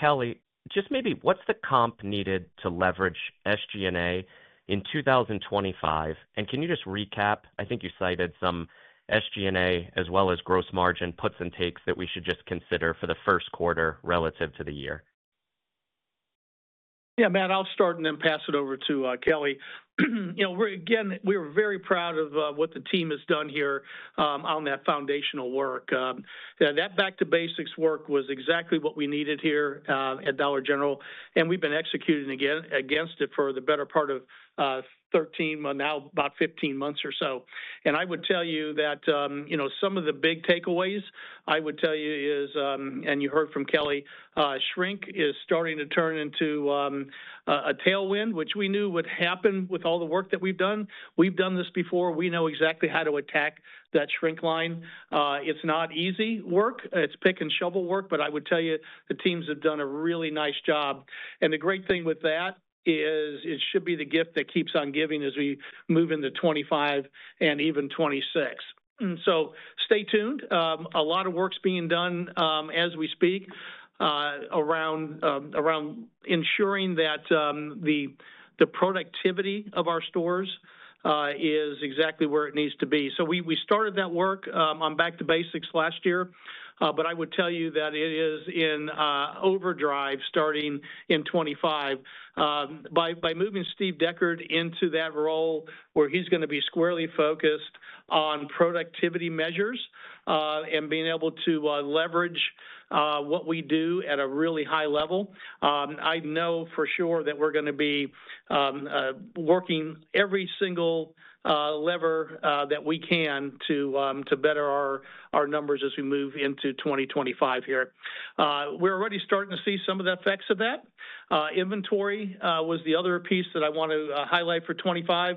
Kelly, just maybe what's the comp needed to leverage SG&A in 2025? Can you just recap? I think you cited some SG&A as well as gross margin puts and takes that we should just consider for the first quarter relative to the year. Yeah, Matt, I'll start and then pass it over to Kelly. Again, we're very proud of what the team has done here on that foundational work. That back-to-basics work was exactly what we needed here at Dollar General. We've been executing against it for the better part of 13, now about 15 months or so. I would tell you that some of the big takeaways, I would tell you, is, you heard from Kelly, shrink is starting to turn into a tailwind, which we knew would happen with all the work that we've done. We've done this before. We know exactly how to attack that shrink line. It's not easy work. It's pick and shovel work. I would tell you the teams have done a really nice job. The great thing with that is it should be the gift that keeps on giving as we move into 2025 and even 2026. Stay tuned. A lot of work's being done as we speak around ensuring that the productivity of our stores is exactly where it needs to be. We started that work on back-to-basics last year, but I would tell you that it is in overdrive starting in 2025 by moving Steve Deckert into that role where he's going to be squarely focused on productivity measures and being able to leverage what we do at a really high level. I know for sure that we're going to be working every single lever that we can to better our numbers as we move into 2025 here. We're already starting to see some of the effects of that. Inventory was the other piece that I want to highlight for 2025.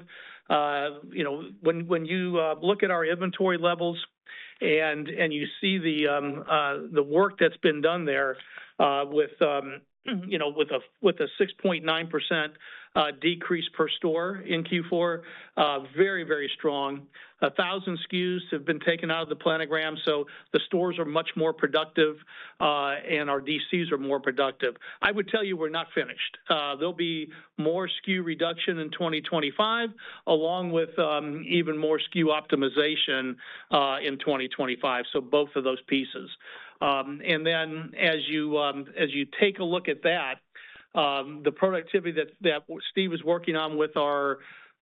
When you look at our inventory levels and you see the work that's been done there with a 6.9% decrease per store in Q4, very, very strong. A thousand SKUs have been taken out of the planogram, so the stores are much more productive and our DCs are more productive. I would tell you we're not finished. There'll be more SKU reduction in 2025, along with even more SKU optimization in 2025. Both of those pieces. As you take a look at that, the productivity that Steve is working on with our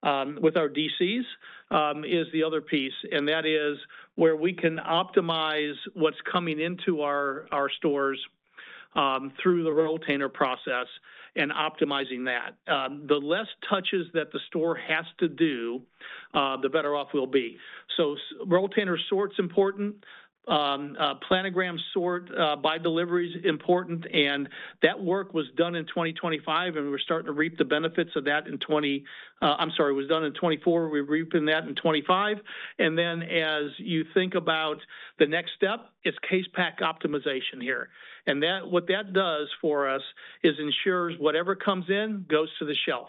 DCs is the other piece. That is where we can optimize what's coming into our stores through the retainer process and optimizing that. The less touches that the store has to do, the better off we'll be. Retainer sort's important. Planogram sort by delivery's important. That work was done in 2024, and we're starting to reap the benefits of that in 2025. I'm sorry, it was done in 2024. We're reaping that in 2025. As you think about the next step, it's case pack optimization here. What that does for us is ensures whatever comes in goes to the shelf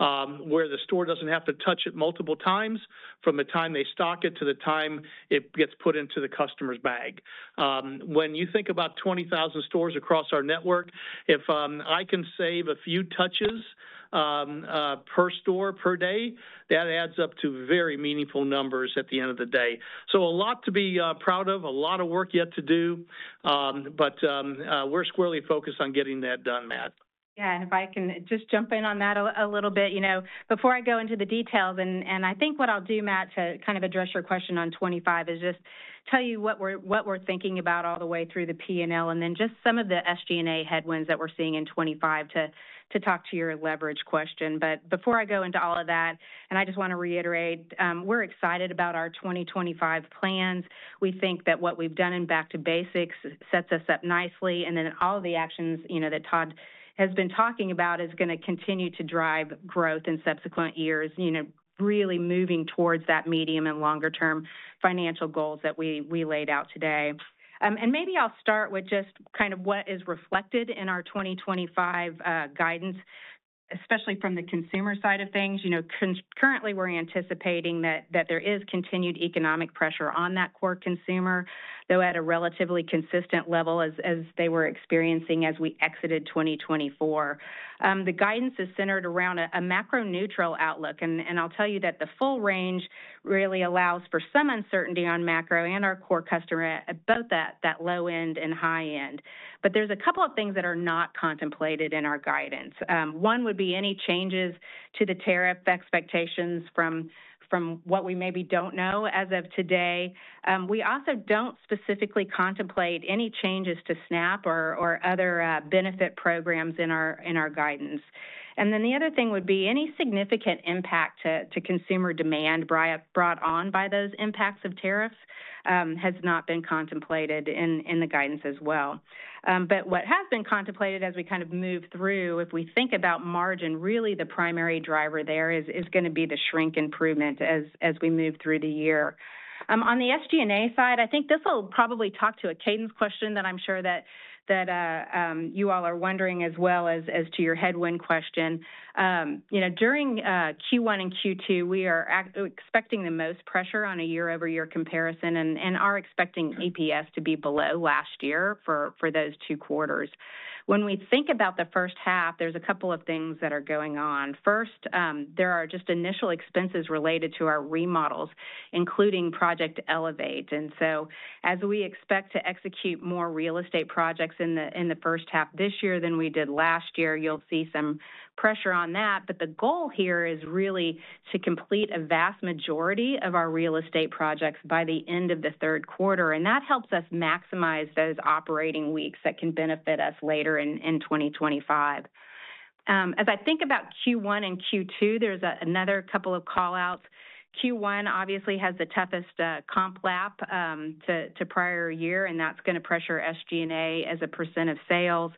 where the store does not have to touch it multiple times from the time they stock it to the time it gets put into the customer's bag. When you think about 20,000 stores across our network, if I can save a few touches per store per day, that adds up to very meaningful numbers at the end of the day. A lot to be proud of, a lot of work yet to do, but we're squarely focused on getting that done, Matt. Yeah. If I can just jump in on that a little bit, before I go into the details, I think what I'll do, Matt, to kind of address your question on 2025 is just tell you what we're thinking about all the way through the P&L and then just some of the SG&A headwinds that we're seeing in 25 to talk to your leverage question. Before I go into all of that, I just want to reiterate, we're excited about our 2025 plans. We think that what we've done in back-to-basics sets us up nicely. All of the actions that Todd has been talking about are going to continue to drive growth in subsequent years, really moving towards that medium and longer-term financial goals that we laid out today. Maybe I'll start with just kind of what is reflected in our 2025 guidance, especially from the consumer side of things. Currently, we're anticipating that there is continued economic pressure on that core consumer, though at a relatively consistent level as they were experiencing as we exited 2024. The guidance is centered around a macro-neutral outlook. I'll tell you that the full range really allows for some uncertainty on macro and our core customer about that low end and high end. There are a couple of things that are not contemplated in our guidance. One would be any changes to the tariff expectations from what we maybe do not know as of today. We also do not specifically contemplate any changes to SNAP or other benefit programs in our guidance. The other thing would be any significant impact to consumer demand brought on by those impacts of tariffs has not been contemplated in the guidance as well. What has been contemplated as we kind of move through, if we think about margin, really the primary driver there is going to be the shrink improvement as we move through the year. On the SG&A side, I think this will probably talk to a cadence question that I'm sure that you all are wondering as well as to your headwind question. During Q1 and Q2, we are expecting the most pressure on a year-over-year comparison and are expecting EPS to be below last year for those two quarters. When we think about the first half, there's a couple of things that are going on. First, there are just initial expenses related to our remodels, including Project Elevate. As we expect to execute more real estate projects in the first half this year than we did last year, you'll see some pressure on that. The goal here is really to complete a vast majority of our real estate projects by the end of the third quarter. That helps us maximize those operating weeks that can benefit us later in 2025. As I think about Q1 and Q2, there's another couple of callouts. Q1 obviously has the toughest comp lap to prior year, and that's going to pressure SG&A as a percent of sales.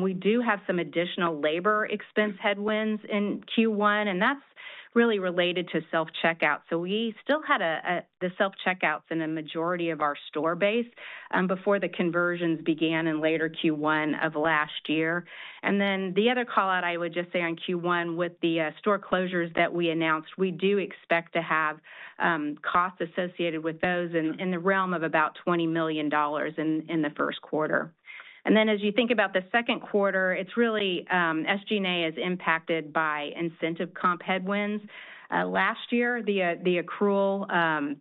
We do have some additional labor expense headwinds in Q1, and that's really related to self-checkout. We still had the self-checkouts in a majority of our store base before the conversions began in later Q1 of last year. The other callout I would just say on Q1 with the store closures that we announced, we do expect to have costs associated with those in the realm of about $20 million in the first quarter. As you think about the second quarter, it is really SG&A is impacted by incentive comp headwinds. Last year, the accrual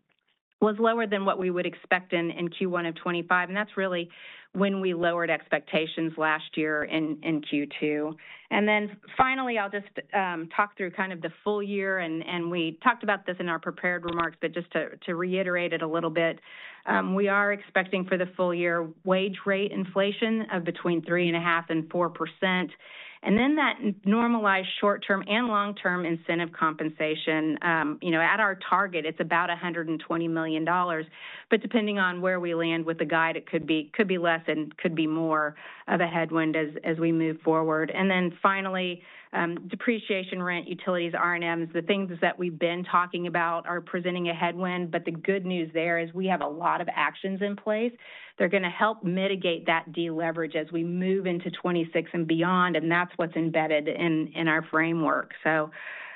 was lower than what we would expect in Q1 of 2025. That is really when we lowered expectations last year in Q2. Finally, I will just talk through kind of the full year. We talked about this in our prepared remarks, but just to reiterate it a little bit, we are expecting for the full year wage rate inflation of between 3.5%-4%. That normalized short-term and long-term incentive compensation at our target, it is about $120 million. Depending on where we land with the guide, it could be less and could be more of a headwind as we move forward. Finally, depreciation, rent, utilities, R&Ms, the things that we've been talking about are presenting a headwind. The good news there is we have a lot of actions in place. They're going to help mitigate that deleverage as we move into 2026 and beyond. That's what's embedded in our framework.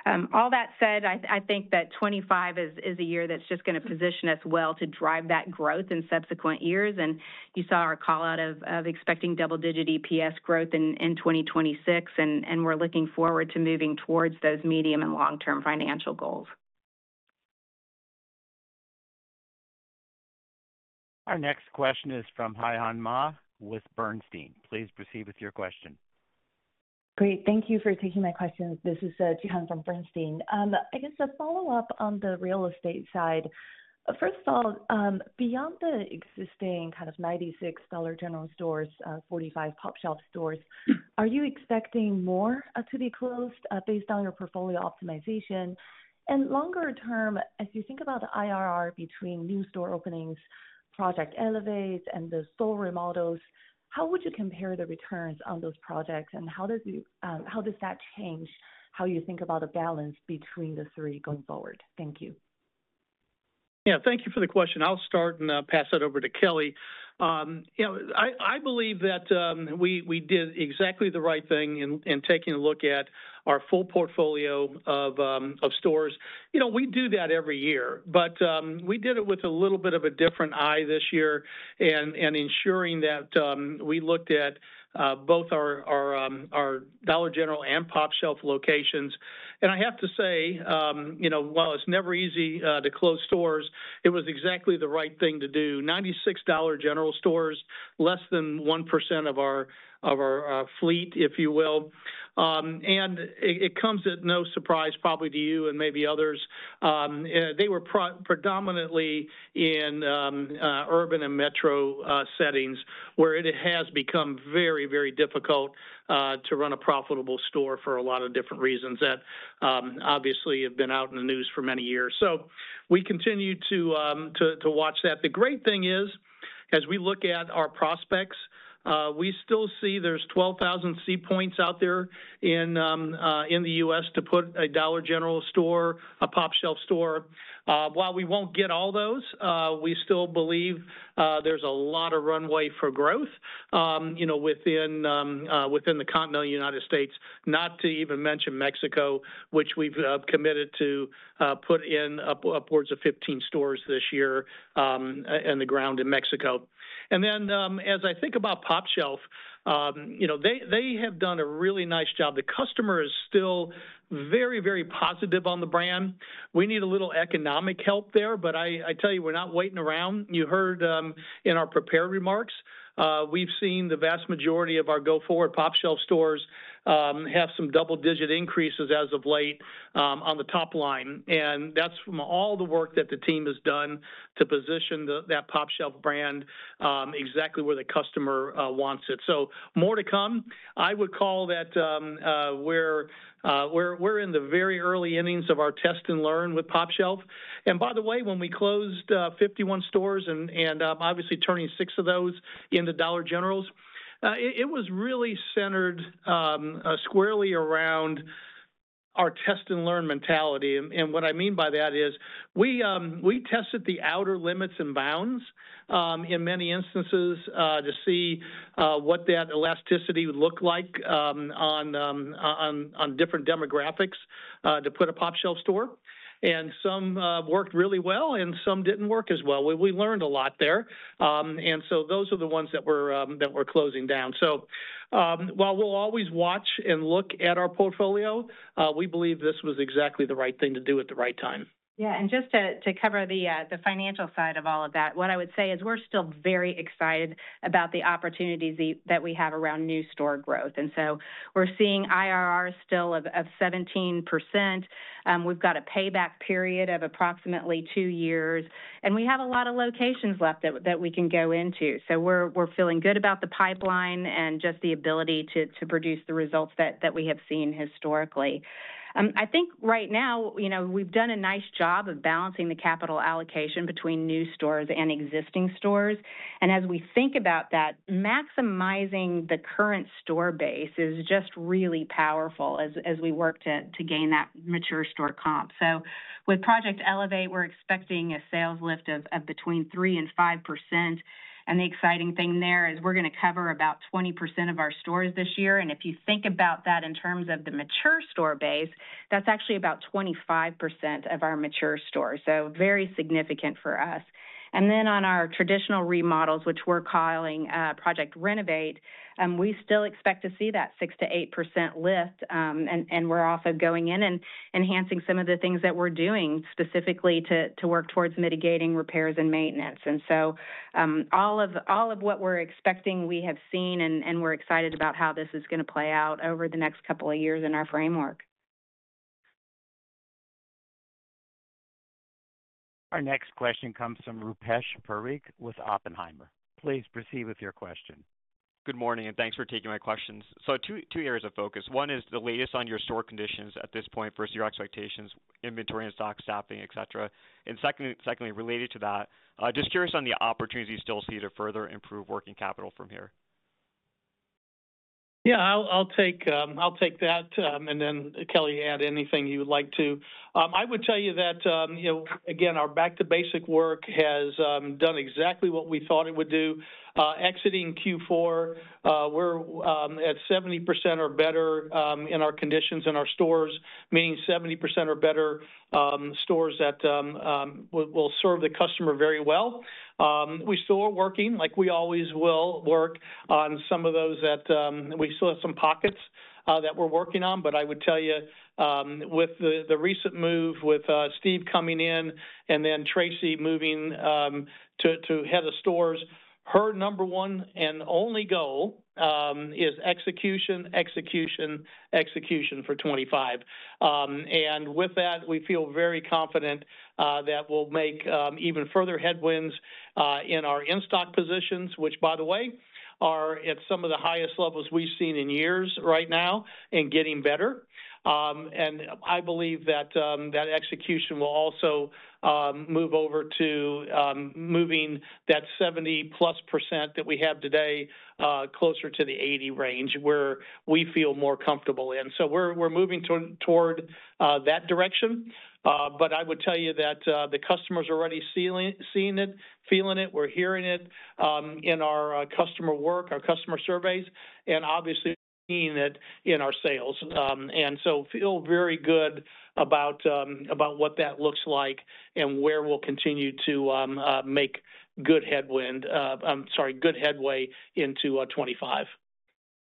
All that said, I think that 2025 is a year that's just going to position us well to drive that growth in subsequent years. You saw our callout of expecting double-digit EPS growth in 2026. We're looking forward to moving towards those medium and long-term financial goals. Our next question is from Hye-yeon Ma with Bernstein. Please proceed with your question. Great. Thank you for taking my question. This is Zhihan from Bernstein. I guess a follow-up on the real estate side. First of all, beyond the existing kind of 96 Dollar General stores, 45 pOpshelf stores, are you expecting more to be closed based on your portfolio optimization? Longer term, as you think about the IRR between new store openings, Project Elevate, and the store remodels, how would you compare the returns on those projects? How does that change how you think about the balance between the three going forward? Thank you. Yeah, thank you for the question. I'll start and pass it over to Kelly. I believe that we did exactly the right thing in taking a look at our full portfolio of stores. We do that every year, but we did it with a little bit of a different eye this year and ensuring that we looked at both our Dollar General and pOpshelf locations. I have to say, while it's never easy to close stores, it was exactly the right thing to do. Ninety-six Dollar General stores, less than 1% of our fleet, if you will. It comes as no surprise, probably to you and maybe others. They were predominantly in urban and metro settings where it has become very, very difficult to run a profitable store for a lot of different reasons that obviously have been out in the news for many years. We continue to watch that. The great thing is, as we look at our prospects, we still see there's 12,000 seat points out there in the US to put a Dollar General store, a pop shelf store. While we won't get all those, we still believe there's a lot of runway for growth within the continental United States, not to even mention Mexico, which we've committed to put in upwards of 15 stores this year in the ground in Mexico. As I think about pop shelf, they have done a really nice job. The customer is still very, very positive on the brand. We need a little economic help there, but I tell you, we're not waiting around. You heard in our prepared remarks, we've seen the vast majority of our go-forward pop shelf stores have some double-digit increases as of late on the top line. That's from all the work that the team has done to position that pop shelf brand exactly where the customer wants it. More to come. I would call that we're in the very early innings of our test and learn with pOpshelf. By the way, when we closed 51 stores and obviously turning six of those into Dollar Generals, it was really centered squarely around our test and learn mentality. What I mean by that is we tested the outer limits and bounds in many instances to see what that elasticity would look like on different demographics to put a pOpshelf store. Some worked really well and some didn't work as well. We learned a lot there. Those are the ones that we're closing down. While we'll always watch and look at our portfolio, we believe this was exactly the right thing to do at the right time. Yeah. Just to cover the financial side of all of that, what I would say is we're still very excited about the opportunities that we have around new store growth. We're seeing IRR still of 17%. We've got a payback period of approximately two years. We have a lot of locations left that we can go into. We're feeling good about the pipeline and just the ability to produce the results that we have seen historically. I think right now we've done a nice job of balancing the capital allocation between new stores and existing stores. As we think about that, maximizing the current store base is just really powerful as we work to gain that mature store comp. With Project Elevate, we're expecting a sales lift of between 3% and 5%. The exciting thing there is we're going to cover about 20% of our stores this year. If you think about that in terms of the mature store base, that's actually about 25% of our mature stores. Very significant for us. On our traditional remodels, which we're calling Project Renovate, we still expect to see that 6%-8% lift. We're also going in and enhancing some of the things that we're doing specifically to work towards mitigating repairs and maintenance. All of what we're expecting, we have seen, and we're excited about how this is going to play out over the next couple of years in our framework. Our next question comes from Rupesh Parikh with Oppenheimer. Please proceed with your question. Good morning and thanks for taking my questions. Two areas of focus. One is the latest on your store conditions at this point for your expectations, inventory and stock staffing, etc. Secondly, related to that, just curious on the opportunities you still see to further improve working capital from here. Yeah, I'll take that. Then Kelly, add anything you would like to. I would tell you that, again, our back-to-basic work has done exactly what we thought it would do. Exiting Q4, we're at 70% or better in our conditions in our stores, meaning 70% or better stores that will serve the customer very well. We still are working, like we always will work on some of those that we still have some pockets that we're working on. I would tell you, with the recent move with Steve coming in and then Tracy moving to Head of Stores, her number one and only goal is execution, execution, execution for 2025. With that, we feel very confident that we'll make even further headwinds in our in-stock positions, which, by the way, are at some of the highest levels we've seen in years right now and getting better. I believe that that execution will also move over to moving that 70-plus % that we have today closer to the 80 range where we feel more comfortable in. We are moving toward that direction. I would tell you that the customers are already seeing it, feeling it, we're hearing it in our customer work, our customer surveys, and obviously seeing it in our sales. I feel very good about what that looks like and where we'll continue to make good headway into 2025.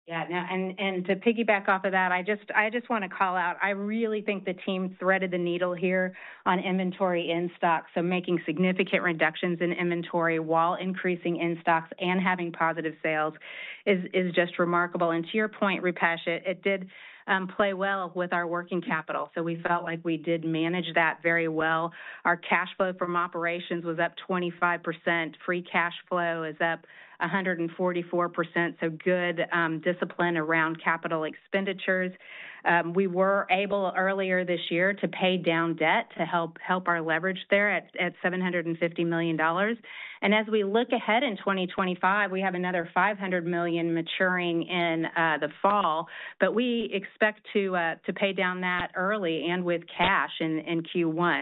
Yeah. To piggyback off of that, I just want to call out, I really think the team threaded the needle here on inventory in stock. Making significant reductions in inventory while increasing in stocks and having positive sales is just remarkable. To your point, Rupesh, it did play well with our working capital. We felt like we did manage that very well. Our cash flow from operations was up 25%. Free cash flow is up 144%. Good discipline around capital expenditures. We were able earlier this year to pay down debt to help our leverage there at $750 million. As we look ahead in 2025, we have another $500 million maturing in the fall, but we expect to pay down that early and with cash in Q1.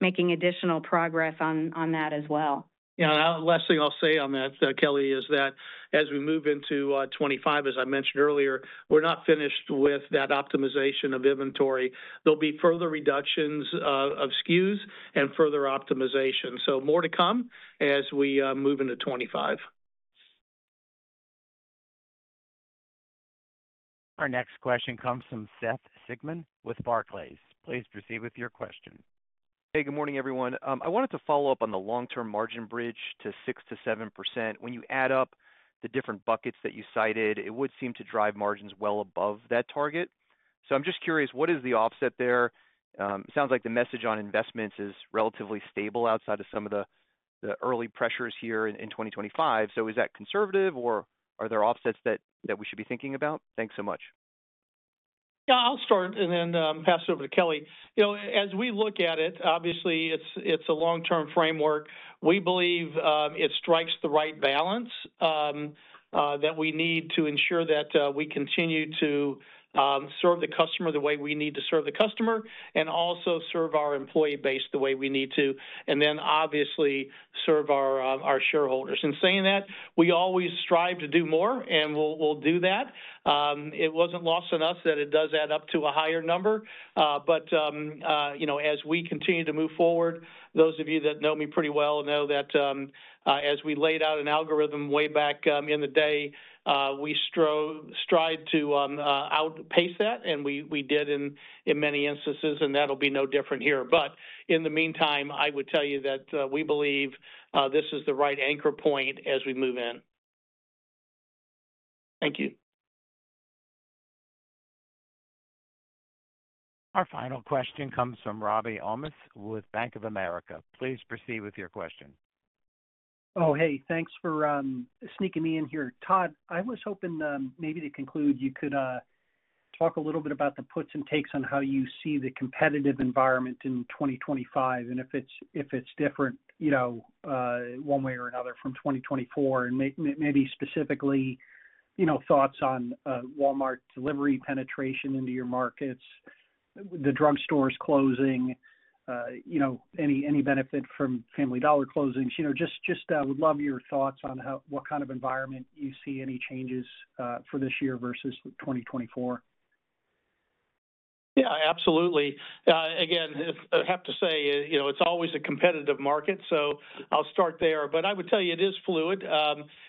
Making additional progress on that as well. Yeah. Last thing I'll say on that, Kelly, is that as we move into 2025, as I mentioned earlier, we're not finished with that optimization of inventory. There will be further reductions of SKUs and further optimization. More to come as we move into 2025. Our next question comes from Seth Sigman with Barclays. Please proceed with your question. Hey, good morning, everyone. I wanted to follow up on the long-term margin bridge to 6%-7%. When you add up the different buckets that you cited, it would seem to drive margins well above that target. I'm just curious, what is the offset there? It sounds like the message on investments is relatively stable outside of some of the early pressures here in 2025. Is that conservative or are there offsets that we should be thinking about? Thanks so much. Yeah, I'll start and then pass it over to Kelly. As we look at it, obviously, it's a long-term framework. We believe it strikes the right balance that we need to ensure that we continue to serve the customer the way we need to serve the customer and also serve our employee base the way we need to, and obviously serve our shareholders. In saying that, we always strive to do more and we'll do that. It wasn't lost on us that it does add up to a higher number. Just would love your thoughts on what kind of environment you see any changes for this year versus 2024. Yeah, absolutely. Again, I have to say it's always a competitive market, so I'll start there. I would tell you it is fluid.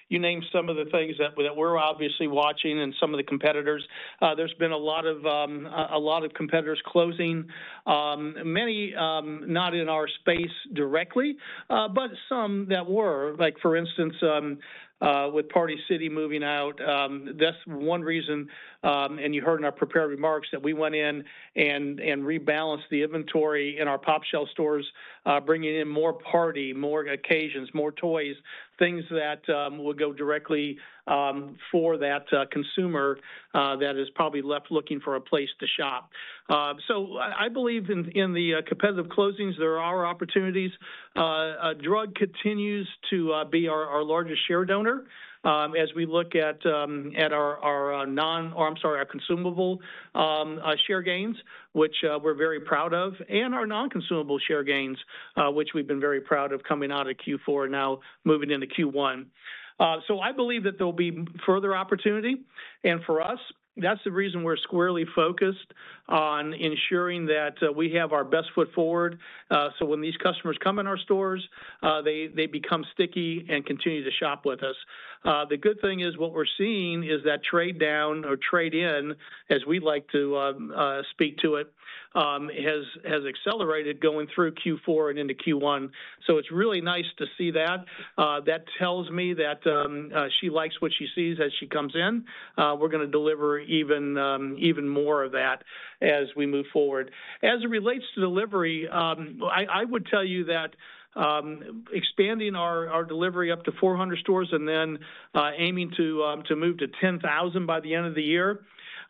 You named some of the things that we're obviously watching and some of the competitors. There's been a lot of competitors closing, many not in our space directly, but some that were. For instance, with Party City moving out, that's one reason, and you heard in our prepared remarks that we went in and rebalanced the inventory in our pOpshelf stores, bringing in more party, more occasions, more toys, things that will go directly for that consumer that is probably left looking for a place to shop. I believe in the competitive closings, there are opportunities. Drug continues to be our largest share donor as we look at our non—I'm sorry, our consumable share gains, which we're very proud of, and our non-consumable share gains, which we've been very proud of coming out of Q4 and now moving into Q1. I believe that there'll be further opportunity. For us, that's the reason we're squarely focused on ensuring that we have our best foot forward. When these customers come in our stores, they become sticky and continue to shop with us. The good thing is what we're seeing is that trade down or trade in, as we like to speak to it, has accelerated going through Q4 and into Q1. It's really nice to see that. That tells me that she likes what she sees as she comes in. We're going to deliver even more of that as we move forward. As it relates to delivery, I would tell you that expanding our delivery up to 400 stores and then aiming to move to 10,000 by the end of the year is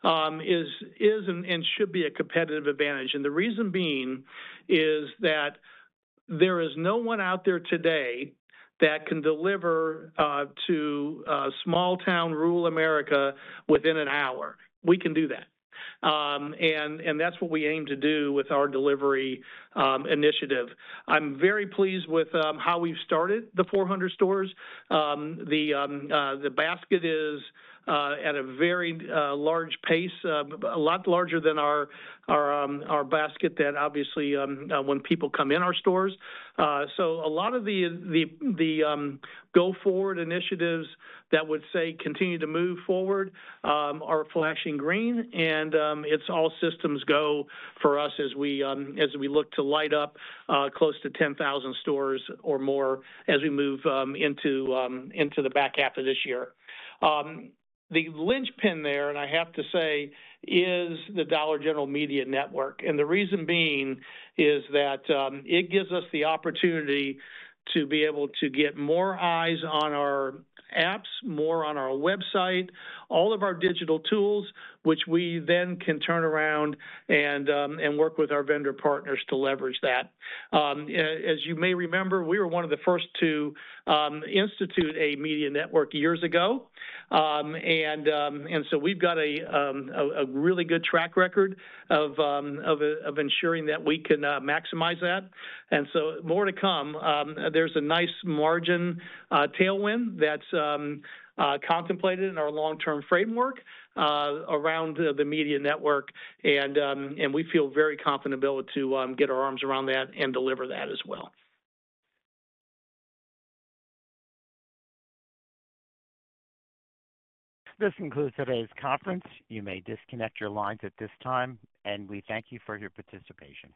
and should be a competitive advantage. The reason being is that there is no one out there today that can deliver to small-town rural America within an hour. We can do that. That is what we aim to do with our delivery initiative. I'm very pleased with how we've started the 400 stores. The basket is at a very large pace, a lot larger than our basket that obviously when people come in our stores. A lot of the go-forward initiatives that would say continue to move forward are flashing green, and it's all systems go for us as we look to light up close to 10,000 stores or more as we move into the back half of this year. The linchpin there, and I have to say, is the Dollar General Media Network. The reason being is that it gives us the opportunity to be able to get more eyes on our apps, more on our website, all of our digital tools, which we then can turn around and work with our vendor partners to leverage that. As you may remember, we were one of the first to institute a media network years ago. We've got a really good track record of ensuring that we can maximize that. More to come. There's a nice margin tailwind that's contemplated in our long-term framework around the media network. And we feel very confident able to get our arms around that and deliver that as well. This concludes today's conference. You may disconnect your lines at this time, and we thank you for your participation.